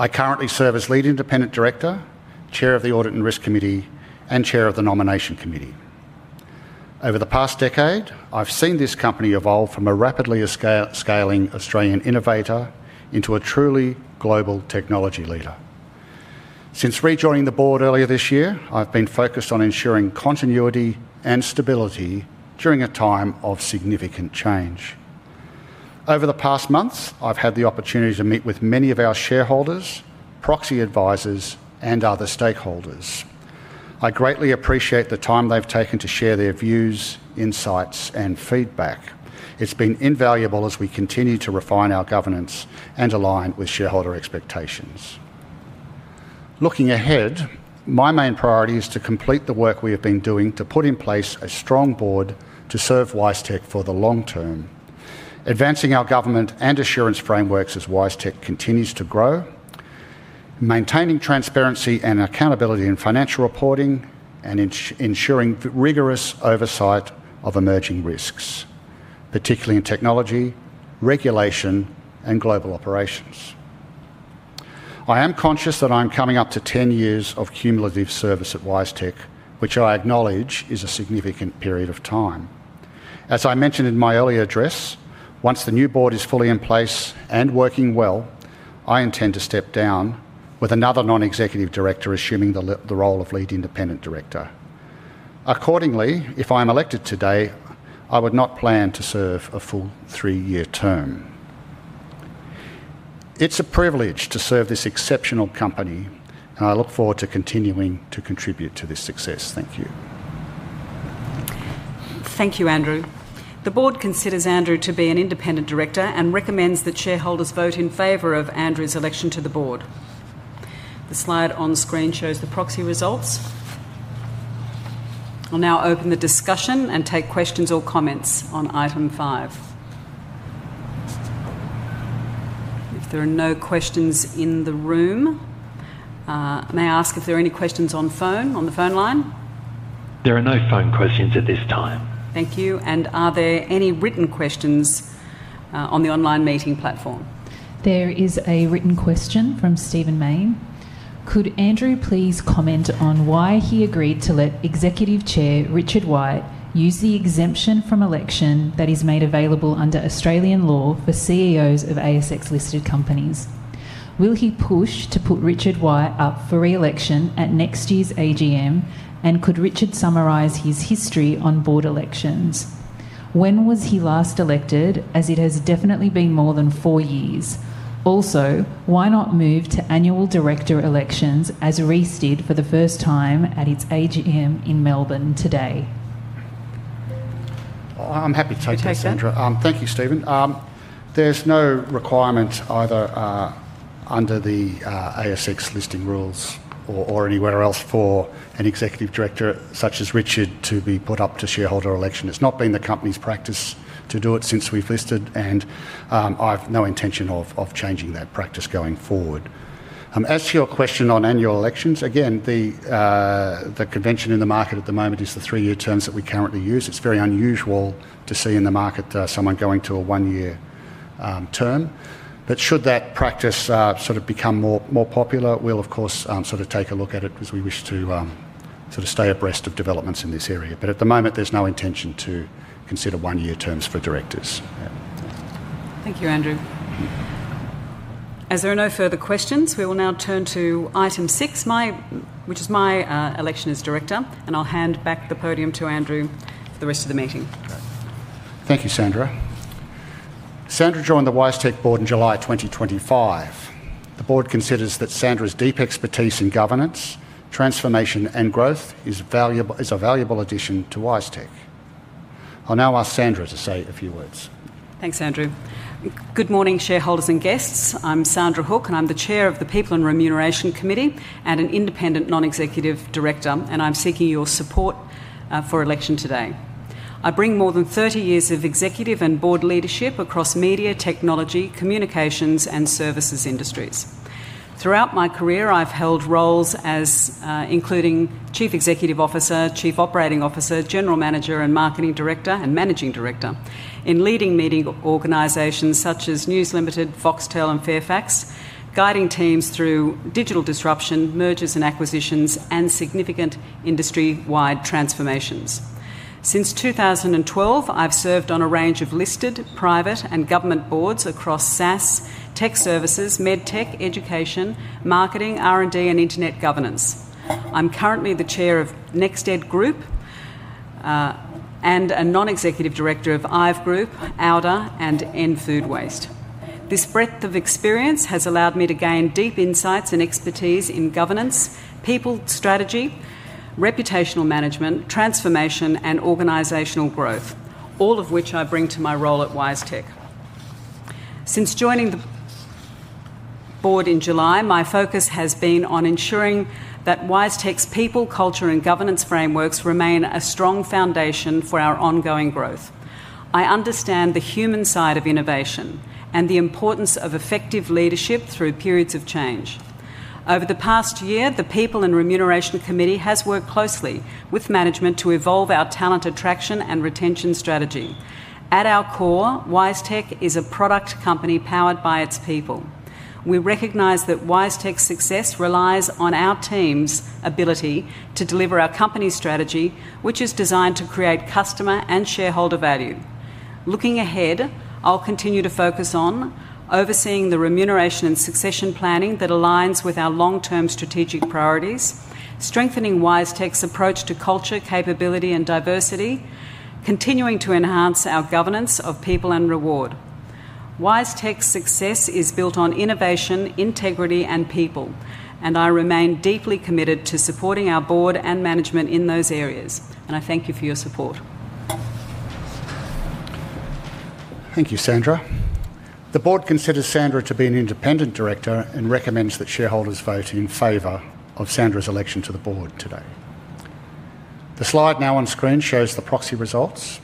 I currently serve as lead independent director, chair of the Audit and Risk Committee, and chair of the Nomination Committee. Over the past decade, I've seen this company evolve from a rapidly scaling Australian innovator into a truly global technology leader. Since rejoining the board earlier this year, I've been focused on ensuring continuity and stability during a time of significant change. Over the past months, I've had the opportunity to meet with many of our shareholders, proxy advisors, and other stakeholders. I greatly appreciate the time they've taken to share their views, insights, and feedback. It's been invaluable as we continue to refine our governance and align with shareholder expectations. Looking ahead, my main priority is to complete the work we have been doing to put in place a strong board to serve WiseTech for the long term, advancing our governance and assurance frameworks as WiseTech continues to grow, maintaining transparency and accountability in financial reporting, and ensuring rigorous oversight of emerging risks, particularly in technology, regulation, and global operations. I am conscious that I am coming up to 10 years of cumulative service at WiseTech, which I acknowledge is a significant period of time. As I mentioned in my earlier address, once the new board is fully in place and working well, I intend to step down with another non-executive director, assuming the role of lead independent director. Accordingly, if I am elected today, I would not plan to serve a full three-year term. It's a privilege to serve this exceptional company, and I look forward to continuing to contribute to this success. Thank you. Thank you, Andrew. The board considers Andrew to be an independent director and recommends that shareholders vote in favor of Andrew's election to the board. The slide on screen shows the proxy results. I will now open the discussion and take questions or comments on item five. If there are no questions in the room, may I ask if there are any questions on the phone line? There are no phone questions at this time. Thank you. Are there any written questions on the online meeting platform? There is a written question from Stephen Maine. "Could Andrew please comment on why he agreed to let Executive Chair Richard White use the exemption from election that is made available under Australian law for CEOs of ASX-listed companies? Will he push to put Richard White up for re-election at next year's AGM, and could Richard summarise his history on board elections? When was he last elected, as it has definitely been more than four years? Also, why not move to annual director elections as Reece did for the first time at its AGM in Melbourne today? I'm happy to take that, Sandra. Thank you, Stephen. There's no requirement either under the ASX-listing rules or anywhere else for an executive director such as Richard to be put up to shareholder election. It's not been the company's practice to do it since we've listed, and I have no intention of changing that practice going forward. As to your question on annual elections, again, the convention in the market at the moment is the three-year terms that we currently use. It's very unusual to see in the market someone going to a one-year term. If that practice sort of becomes more popular, we will, of course, sort of take a look at it as we wish to sort of stay abreast of developments in this area. At the moment, there's no intention to consider one-year terms for directors. Thank you, Andrew. As there are no further questions, we will now turn to item six, which is my election as director, and I'll hand back the podium to Andrew for the rest of the meeting. Thank you, Sandra. Sandra joined the WiseTech board in July 2025. The board considers that Sandra's deep expertise in governance, transformation, and growth is a valuable addition to WiseTech. I'll now ask Sandra to say a few words. Thanks, Andrew. Good morning, shareholders and guests. I'm Sandra Hook, and I'm the chair of the People and Remuneration Committee and an independent non-executive director, and I'm seeking your support for election today. I bring more than 30 years of executive and board leadership across media, technology, communications, and services industries. Throughout my career, I've held roles including Chief Executive Officer, Chief Operating Officer, General Manager, and Marketing Director and Managing Director in leading media organizations such as News Limited, Foxtel, and Fairfax, guiding teams through digital disruption, mergers and acquisitions, and significant industry-wide transformations. Since 2012, I've served on a range of listed, private, and government boards across SaaS, tech services, med tech, education, marketing, R&D, and internet governance. I'm currently the chair of NextEd Group and a non-executive director of IVE Group, Outer, and In Food Waste. This breadth of experience has allowed me to gain deep insights and expertise in governance, people strategy, reputational management, transformation, and organizational growth, all of which I bring to my role at WiseTech. Since joining the board in July, my focus has been on ensuring that WiseTech's people, culture, and governance frameworks remain a strong foundation for our ongoing growth. I understand the human side of innovation and the importance of effective leadership through periods of change. Over the past year, the People and Remuneration Committee has worked closely with management to evolve our talent attraction and retention strategy. At our core, WiseTech is a product company powered by its people. We recognize that WiseTech's success relies on our team's ability to deliver our company strategy, which is designed to create customer and shareholder value. Looking ahead, I'll continue to focus on overseeing the remuneration and succession planning that aligns with our long-term strategic priorities, strengthening WiseTech's approach to culture, capability, and diversity, continuing to enhance our governance of people and reward. WiseTech's success is built on innovation, integrity, and people, and I remain deeply committed to supporting our board and management in those areas. I thank you for your support. Thank you, Sandra. The board considers Sandra to be an independent director and recommends that shareholders vote in favor of Sandra's election to the board today. The slide now on screen shows the proxy results.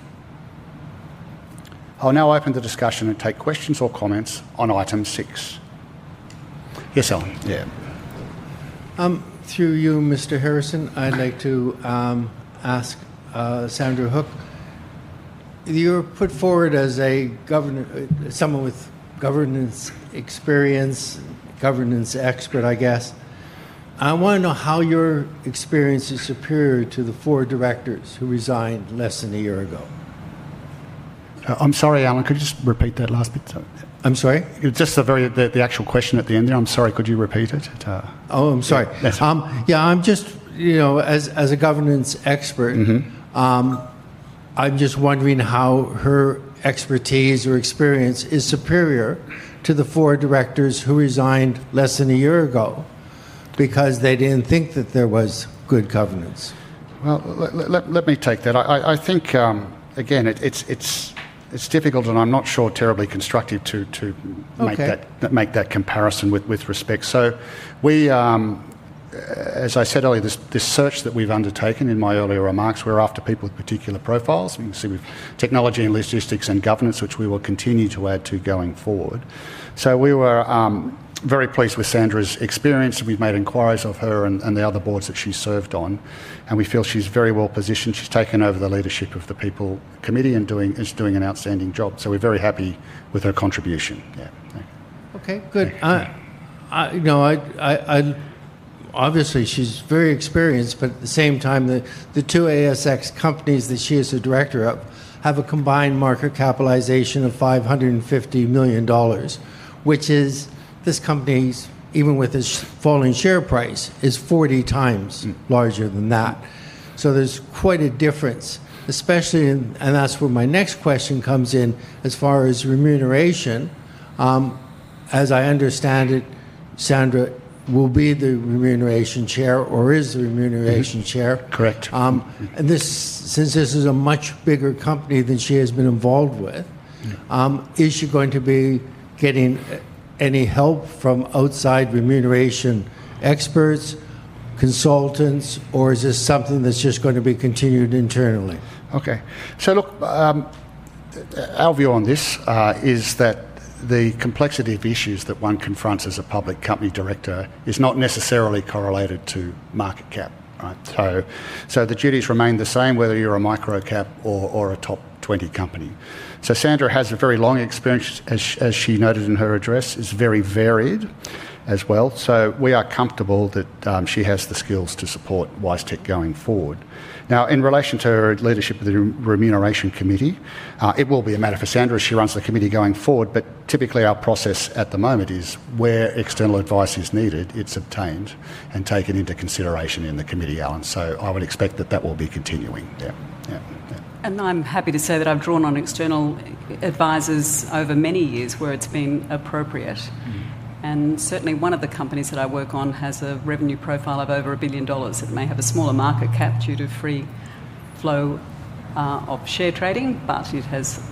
I'll now open the discussion and take questions or comments on item six. Yes, Allan. Yeah. Through you, Mr. Harrison, I'd like to ask Sandra Hook. You were put forward as someone with governance experience, governance expert, I guess. I want to know how your experience is superior to the four directors who resigned less than a year ago. I'm sorry, Alln. Could you just repeat that last bit? I'm sorry. Just the actual question at the end there. I'm sorry. Could you repeat it? Oh, I'm sorry. Yeah. As a governance expert, I'm just wondering how her expertise or experience is superior to the four directors who resigned less than a year ago because they didn't think that there was good governance. Let me take that. I think, again, it's difficult, and I'm not sure terribly constructive to make that comparison with respect. As I said earlier, this search that we've undertaken in my earlier remarks, we're after people with particular profiles. You can see we've technology and logistics and governance, which we will continue to add to going forward. We were very pleased with Sandra's experience. We've made inquiries of her and the other boards that she's served on, and we feel she's very well positioned. She's taken over the leadership of the People Committee and is doing an outstanding job. We're very happy with her contribution. Yeah. Okay. Good. Obviously, she's very experienced, but at the same time, the two ASX companies that she is the director of have a combined market capitalization of 550 million dollars, which is this company's, even with its falling share price, is 40 times larger than that. There's quite a difference, especially in—and that's where my next question comes in as far as remuneration. As I understand it, Sandra will be the remuneration chair or is the remuneration chair. Correct. Since this is a much bigger company than she has been involved with, is she going to be getting any help from outside remuneration experts, consultants, or is this something that's just going to be continued internally? Okay. Look, our view on this is that the complexity of issues that one confronts as a public company director is not necessarily correlated to market cap. The duties remain the same, whether you're a micro cap or a top 20 company. Sandra has a very long experience, as she noted in her address, is very varied as well. We are comfortable that she has the skills to support WiseTech going forward. Now, in relation to her leadership of the Remuneration Committee, it will be a matter for Sandra as she runs the committee going forward, but typically our process at the moment is where external advice is needed, it's obtained and taken into consideration in the committee, Allan. I would expect that that will be continuing. Yeah. I'm happy to say that I've drawn on external advisors over many years where it's been appropriate. Certainly, one of the companies that I work on has a revenue profile of over a billion dollars. It may have a smaller market cap due to free flow of share trading, but it has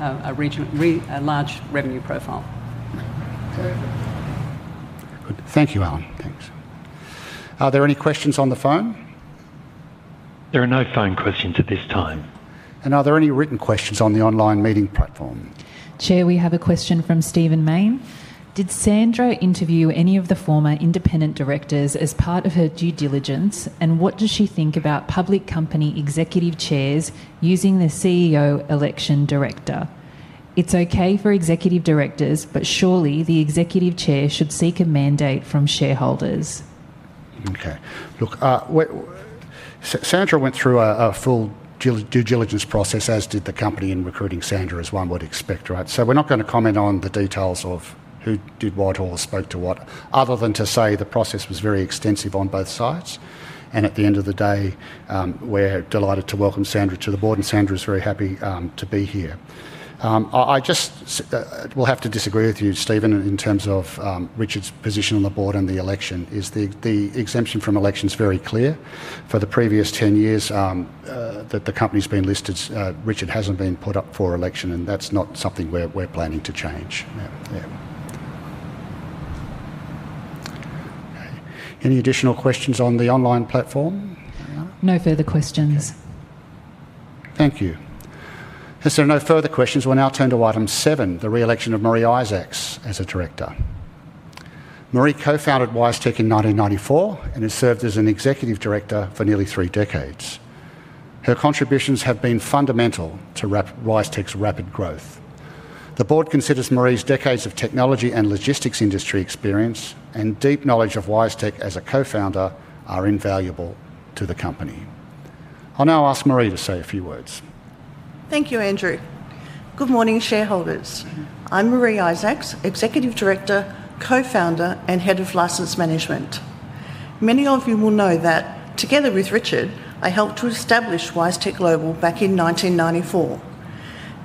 a large revenue profile. Thank you, Allan. Thanks. Are there any questions on the phone? There are no phone questions at this time. Are there any written questions on the online meeting platform? Chair, we have a question from Stephen Maine. Did Sandra interview any of the former independent directors as part of her due diligence, and what does she think about public company executive chairs using the CEO election director? It's okay for executive directors, but surely the executive chair should seek a mandate from shareholders. Okay. Look, Sandra went through a full due diligence process, as did the company in recruiting Sandra, as one would expect. We are not going to comment on the details of who did what or spoke to what, other than to say the process was very extensive on both sides. At the end of the day, we are delighted to welcome Sandra to the board, and Sandra is very happy to be here. I just will have to disagree with you, Stephen, in terms of Richard's position on the board and the election. Is the exemption from elections very clear? For the previous 10 years that the company's been listed, Richard hasn't been put up for election, and that's not something we're planning to change. Yeah. Any additional questions on the online platform? No further questions. Thank you. If there are no further questions, we'll now turn to item seven, the re-election of Maree Isaacs as a director. Maree co-founded WiseTech in 1994 and has served as an executive director for nearly three decades. Her contributions have been fundamental to WiseTech's rapid growth. The board considers Maree's decades of technology and logistics industry experience and deep knowledge of WiseTech as a co-founder are invaluable to the company. I'll now ask Maree to say a few words. Thank you, Andrew. Good morning, shareholders. I'm Maree Isaacs, executive director, co-founder, and head of license management. Many of you will know that together with Richard, I helped to establish WiseTech Global back in 1994.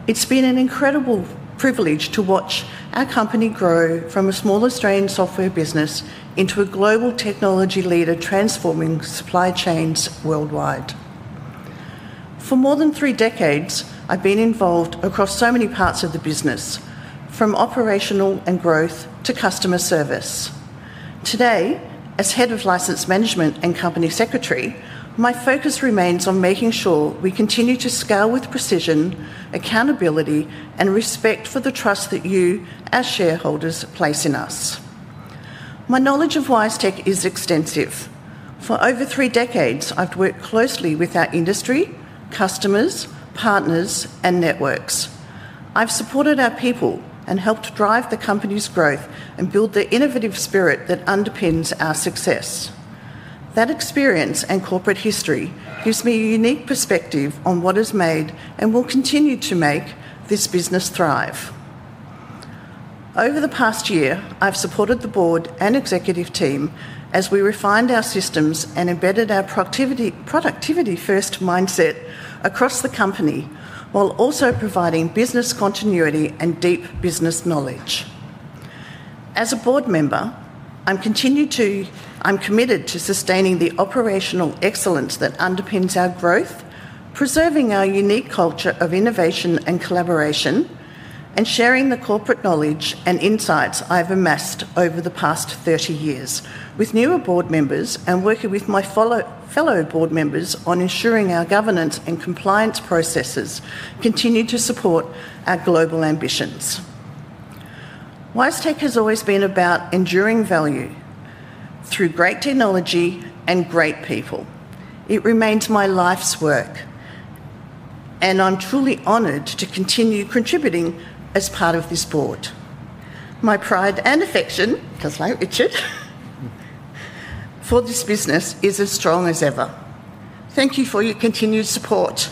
It's been an incredible privilege to watch our company grow from a small Australian software business into a global technology leader transforming supply chains worldwide. For more than three decades, I've been involved across so many parts of the business, from operational and growth to customer service. Today, as Head of License Management and Company Secretary, my focus remains on making sure we continue to scale with precision, accountability, and respect for the trust that you, as shareholders, place in us. My knowledge of WiseTech is extensive. For over three decades, I've worked closely with our industry, customers, partners, and networks. I've supported our people and helped drive the company's growth and build the innovative spirit that underpins our success. That experience and corporate history gives me a unique perspective on what has made and will continue to make this business thrive. Over the past year, I've supported the board and executive team as we refined our systems and embedded our productivity-first mindset across the company while also providing business continuity and deep business knowledge. As a board member, I'm committed to sustaining the operational excellence that underpins our growth, preserving our unique culture of innovation and collaboration, and sharing the corporate knowledge and insights I've amassed over the past 30 years with newer board members and working with my fellow board members on ensuring our governance and compliance processes continue to support our global ambitions. WiseTech has always been about enduring value through great technology and great people. It remains my life's work, and I'm truly honoured to continue contributing as part of this board. My pride and affection, because I'm Richard, for this business is as strong as ever. Thank you for your continued support.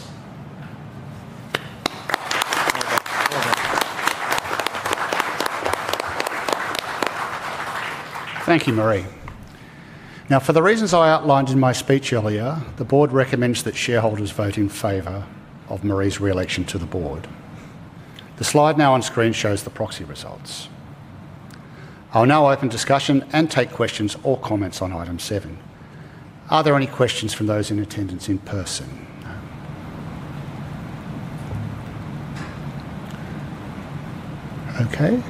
Thank you, Maree. Now, for the reasons I outlined in my speech earlier, the board recommends that shareholders vote in favor of Maree's re-election to the board. The slide now on screen shows the proxy results. I'll now open discussion and take questions or comments on item seven. Are there any questions from those in attendance in person? Okay.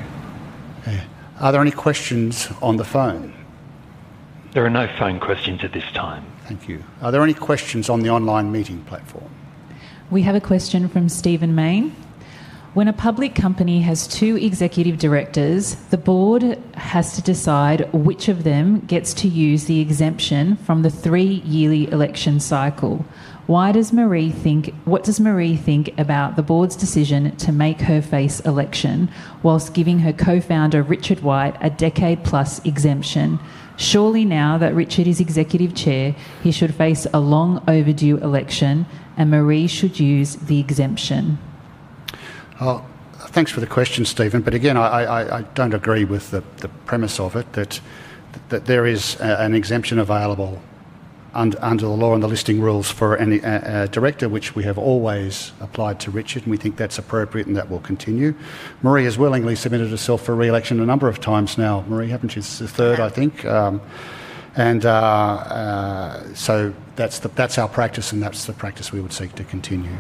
Are there any questions on the phone? There are no phone questions at this time. Thank you. Are there any questions on the online meeting platform? We have a question from Stephen Maine. When a public company has two executive directors, the board has to decide which of them gets to use the exemption from the three-yearly election cycle. What does Maree think about the board's decision to make her face election whilst giving her co-founder, Richard White, a decade-plus exemption? Surely now that Richard is executive chair, he should face a long overdue election, and Maree should use the exemption. Thanks for the question, Stephen. I don't agree with the premise of it, that there is an exemption available under the law and the listing rules for any director, which we have always applied to Richard, and we think that's appropriate and that will continue. Maree has willingly submitted herself for re-election a number of times now. Maree, haven't you? This is the third, I think. That's our practice, and that's the practice we would seek to continue.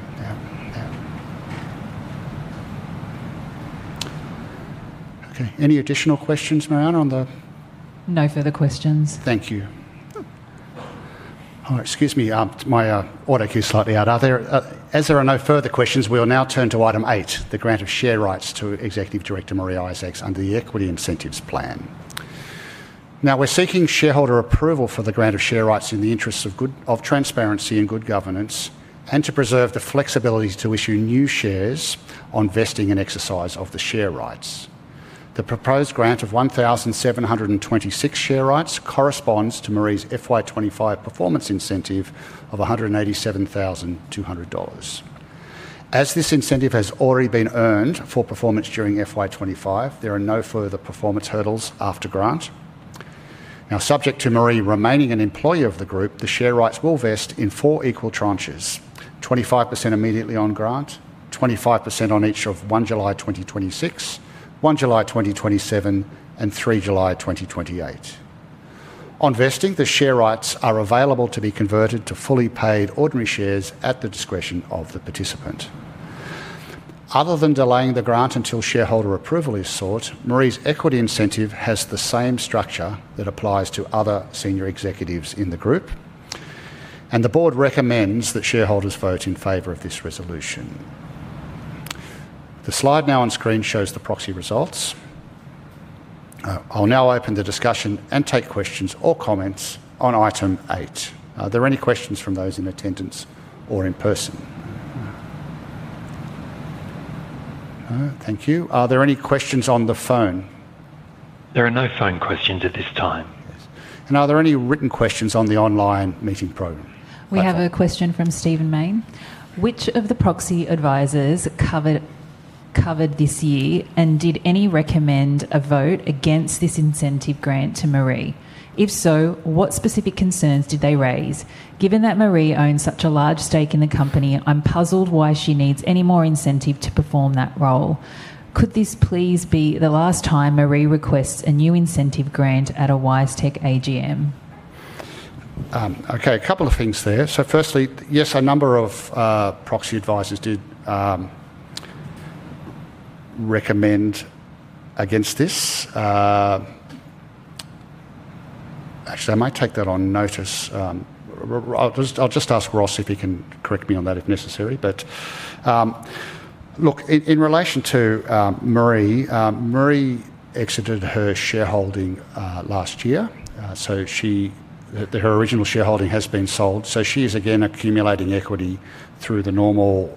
Okay. Any additional questions, Marianna, on the? No further questions. Thank you. Excuse me, my audio came slightly out. As there are no further questions, we'll now turn to item eight, the grant of share rights to Executive Director Maree Isaacs under the Equity Incentives Plan. Now, we're seeking shareholder approval for the grant of share rights in the interest of transparency and good governance and to preserve the flexibility to issue new shares on vesting and exercise of the share rights. The proposed grant of 1,726 share rights corresponds to Maree's FY25 performance incentive of 187,200 dollars. As this incentive has already been earned for performance during FY25, there are no further performance hurdles after grant. Now, subject to Maree remaining an employee of the group, the share rights will vest in four equal tranches: 25% immediately on grant, 25% on each of 1 July 2026, 1 July 2027, and 3 July 2028. On vesting, the share rights are available to be converted to fully paid ordinary shares at the discretion of the participant. Other than delaying the grant until shareholder approval is sought, Maree's equity incentive has the same structure that applies to other senior executives in the group, and the board recommends that shareholders vote in favor of this resolution. The slide now on screen shows the proxy results. I'll now open the discussion and take questions or comments on item eight. Are there any questions from those in attendance or in person? Thank you. Are there any questions on the phone? There are no phone questions at this time. Are there any written questions on the online meeting program? We have a question from Stephen Maine. Which of the proxy advisors covered this year and did any recommend a vote against this incentive grant to Maree? If so, what specific concerns did they raise? Given that Maree owns such a large stake in the company, I'm puzzled why she needs any more incentive to perform that role. Could this please be the last time Maree requests a new incentive grant at a WiseTech AGM? Okay. A couple of things there. Firstly, yes, a number of proxy advisors did recommend against this. Actually, I might take that on notice. I'll just ask Ross if he can correct me on that if necessary. Look, in relation to Maree, Maree exited her shareholding last year. Her original shareholding has been sold. She is again accumulating equity through the normal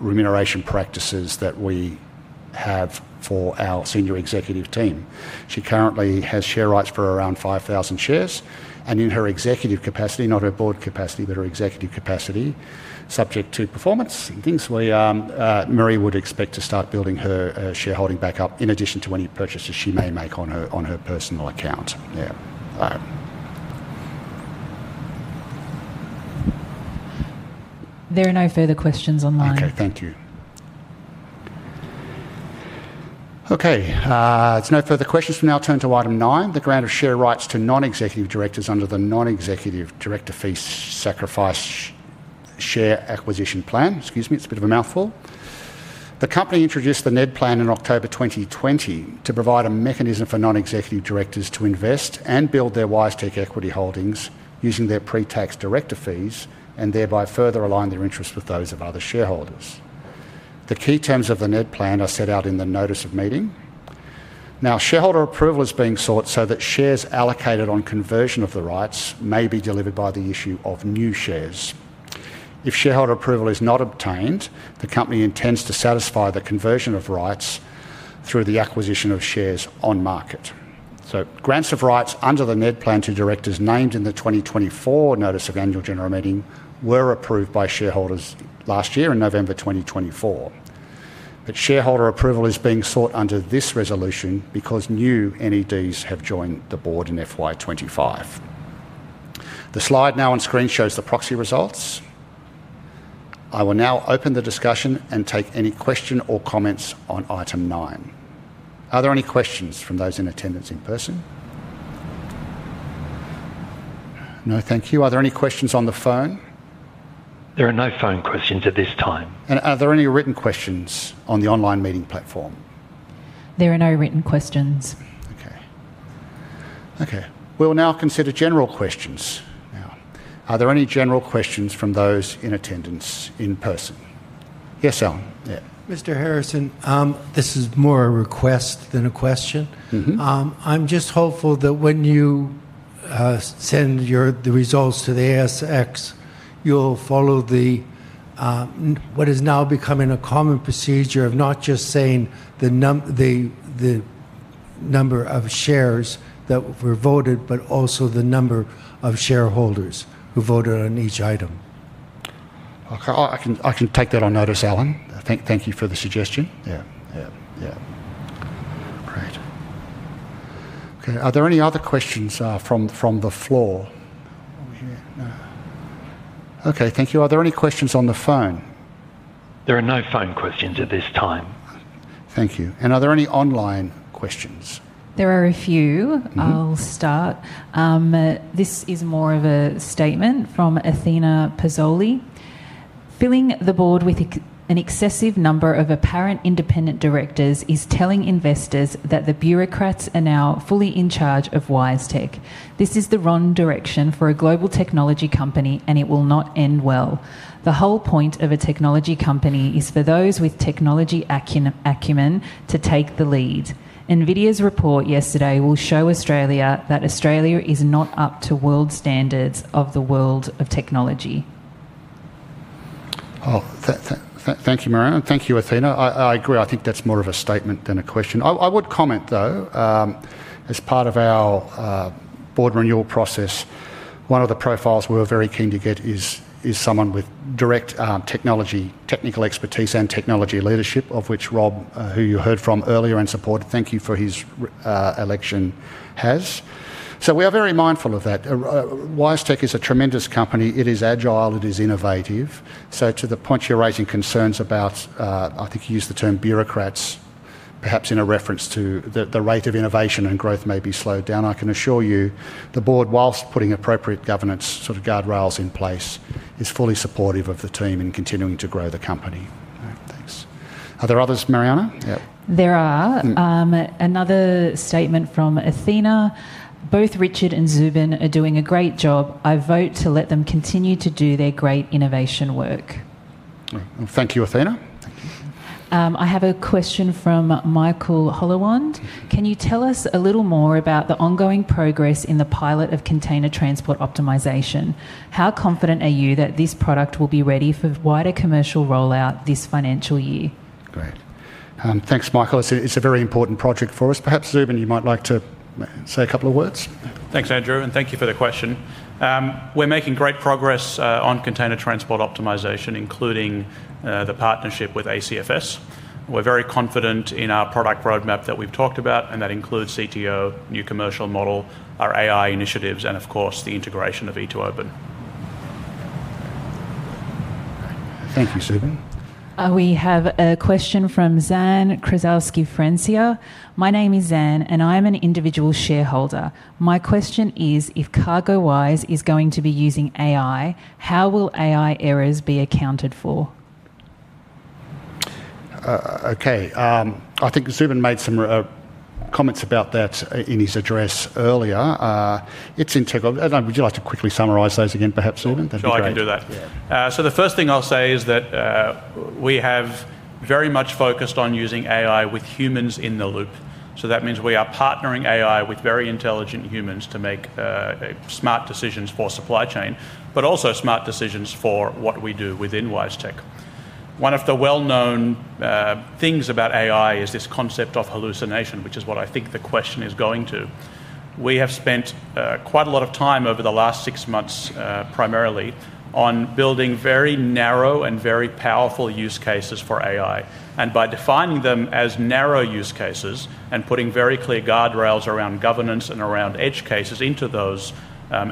remuneration practices that we have for our senior executive team. She currently has share rights for around 5,000 shares. In her executive capacity, not her board capacity, but her executive capacity, subject to performance things, Maree would expect to start building her shareholding back up in addition to any purchases she may make on her personal account. Yeah. There are no further questions online. Okay. Thank you. Okay. There are no further questions. We will now turn to item nine, the grant of share rights to non-executive directors under the Non-Executive Director Fee Sacrifice Share Acquisition Plan. Excuse me. It is a bit of a mouthful. The company introduced the NED plan in October 2020 to provide a mechanism for non-executive directors to invest and build their WiseTech equity holdings using their pre-tax director fees and thereby further align their interests with those of other shareholders. The key terms of the NED plan are set out in the notice of meeting. Now, shareholder approval is being sought so that shares allocated on conversion of the rights may be delivered by the issue of new shares. If shareholder approval is not obtained, the company intends to satisfy the conversion of rights through the acquisition of shares on market. Grants of rights under the NED plan to directors named in the 2024 notice of annual general meeting were approved by shareholders last year in November 2024. Shareholder approval is being sought under this resolution because new NEDs have joined the board in FY25. The slide now on screen shows the proxy results. I will now open the discussion and take any question or comments on item nine. Are there any questions from those in attendance in person? No? Thank you. Are there any questions on the phone? There are no phone questions at this time. Are there any written questions on the online meeting platform? There are no written questions. Okay. We'll now consider general questions now. Are there any general questions from those in attendance in person? Yes, Allan. Mr. Harrison, this is more a request than a question. I'm just hopeful that when you send the results to the ASX, you'll follow what is now becoming a common procedure of not just saying the number of shares that were voted, but also the number of shareholders who voted on each item. Okay. I can take that on notice, Allan. Thank you for the suggestion. Great. Okay. Are there any other questions from the floor? Thank you. Are there any questions on the phone? There are no phone questions at this time. Thank you. Are there any online questions? There are a few. I'll start. This is more of a statement from Athena Pazoli. Filling the board with an excessive number of apparent independent directors is telling investors that the bureaucrats are now fully in charge of WiseTech. This is the wrong direction for a global technology company, and it will not end well. The whole point of a technology company is for those with technology acumen to take the lead. NVIDIA's report yesterday will show Australia that Australia is not up to world standards of the world of technology. Thank you, Marianna. Thank you, Athena. I agree. I think that's more of a statement than a question. I would comment, though, as part of our board renewal process, one of the profiles we're very keen to get is someone with direct technical expertise and technology leadership, of which Rob, who you heard from earlier and supported, thank you for his election, has. We are very mindful of that. WiseTech is a tremendous company. It is agile. It is innovative. To the point you are raising concerns about, I think you used the term bureaucrats, perhaps in a reference to the rate of innovation and growth may be slowed down, I can assure you the board, whilst putting appropriate governance sort of guardrails in place, is fully supportive of the team in continuing to grow the company. Thanks. Are there others, Marianna? Yeah. There are. Another statement from Athena. Both Richard and Zubin are doing a great job. I vote to let them continue to do their great innovation work. Thank you, Athena. I have a question from Michael Hollerwand. Can you tell us a little more about the ongoing progress in the pilot of container transport optimisation? How confident are you that this product will be ready for wider commercial rollout this financial year? Great. Thanks, Michael. It's a very important project for us. Perhaps, Zubin, you might like to say a couple of words. Thanks, Andrew. Thank you for the question. We're making great progress on container transport optimisation, including the partnership with ACFS. We're very confident in our product roadmap that we've talked about, and that includes CTO, new commercial model, our AI initiatives, and of course, the integration of e2open. Thank you, Zubin. We have a question from Zan Krzelski-Frenzio. My name is Zan, and I am an individual shareholder. My question is, if CargoWise is going to be using AI, how will AI errors be accounted for? Okay. I think Zubin made some comments about that in his address earlier. It's in tech—would you like to quickly summarise those again, perhaps, Zubin? Sure, I can do that. The first thing I'll say is that we have very much focused on using AI with humans in the loop. That means we are partnering AI with very intelligent humans to make smart decisions for supply chain, but also smart decisions for what we do within WiseTech. One of the well-known things about AI is this concept of hallucination, which is what I think the question is going to. We have spent quite a lot of time over the last six months primarily on building very narrow and very powerful use cases for AI. By defining them as narrow use cases and putting very clear guardrails around governance and around edge cases into those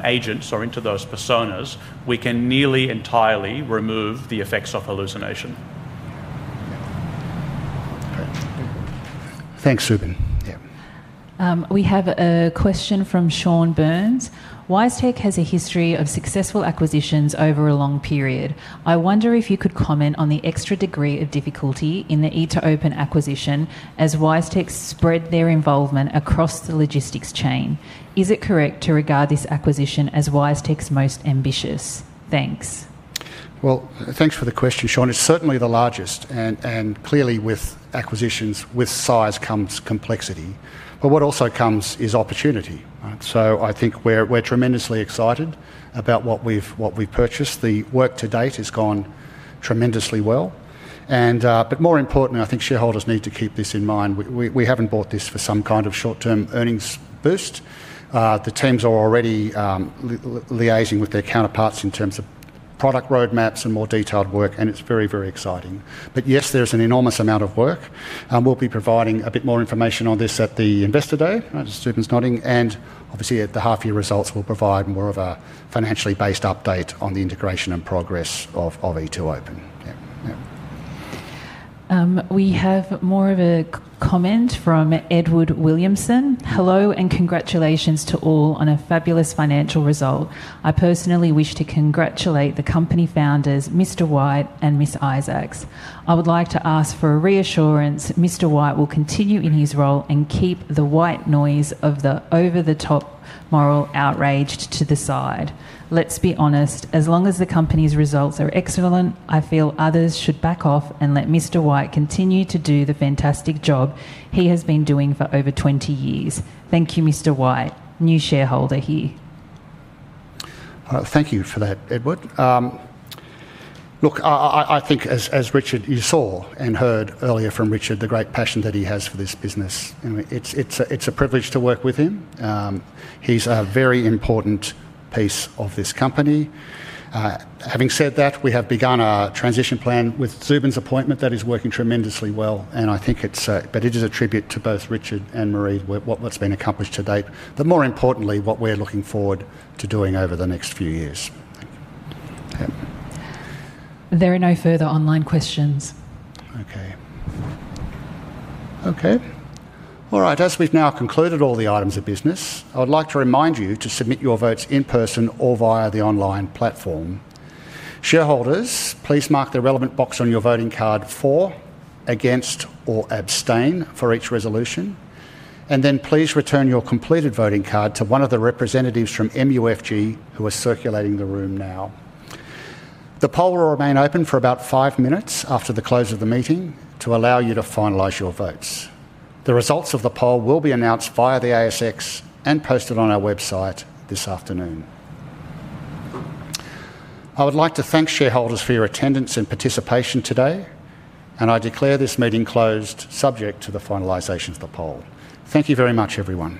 agents or into those personas, we can nearly entirely remove the effects of hallucination. Thanks, Zubin. Yeah. We have a question from Sean Burns. WiseTech has a history of successful acquisitions over a long period. I wonder if you could comment on the extra degree of difficulty in the e2open acquisition as WiseTech spread their involvement across the logistics chain. Is it correct to regard this acquisition as WiseTech's most ambitious? Thanks. Thanks for the question, Sean. It's certainly the largest. Clearly, with acquisitions, with size comes complexity. What also comes is opportunity. I think we're tremendously excited about what we've purchased. The work to date has gone tremendously well. More importantly, I think shareholders need to keep this in mind. We haven't bought this for some kind of short-term earnings boost. The teams are already liaising with their counterparts in terms of product roadmaps and more detailed work, and it's very, very exciting. Yes, there is an enormous amount of work. We'll be providing a bit more information on this at the investor day, as Zubin's nodding. Obviously, at the half-year results, we'll provide more of a financially based update on the integration and progress of e2open. Yeah. Yeah. We have more of a comment from Edward Williamson. Hello, and congratulations to all on a fabulous financial result. I personally wish to congratulate the company founders, Mr. White and Ms. Isaacs. I would like to ask for a reassurance. Mr. White will continue in his role and keep the white noise of the over-the-top moral outrage to the side. Let's be honest, as long as the company's results are excellent, I feel others should back off and let Mr. White continue to do the fantastic job he has been doing for over 20 years. Thank you, Mr. White. New shareholder here. Thank you for that, Edward. Look, I think, as Richard, you saw and heard earlier from Richard, the great passion that he has for this business. It's a privilege to work with him. He's a very important piece of this company. Having said that, we have begun our transition plan with Zubin's appointment. That is working tremendously well. I think it's a—but it is a tribute to both Richard and Maree, what's been accomplished to date. More importantly, what we're looking forward to doing over the next few years. Yeah. There are no further online questions. Okay. All right. As we've now concluded all the items of business, I would like to remind you to submit your votes in person or via the online platform. Shareholders, please mark the relevant box on your voting card for, against, or abstain for each resolution. Please return your completed voting card to one of the representatives from MUFG who are circulating the room now. The poll will remain open for about five minutes after the close of the meeting to allow you to finalize your votes. The results of the poll will be announced via the ASX and posted on our website this afternoon. I would like to thank shareholders for your attendance and participation today, and I declare this meeting closed, subject to the finalization of the poll. Thank you very much, everyone.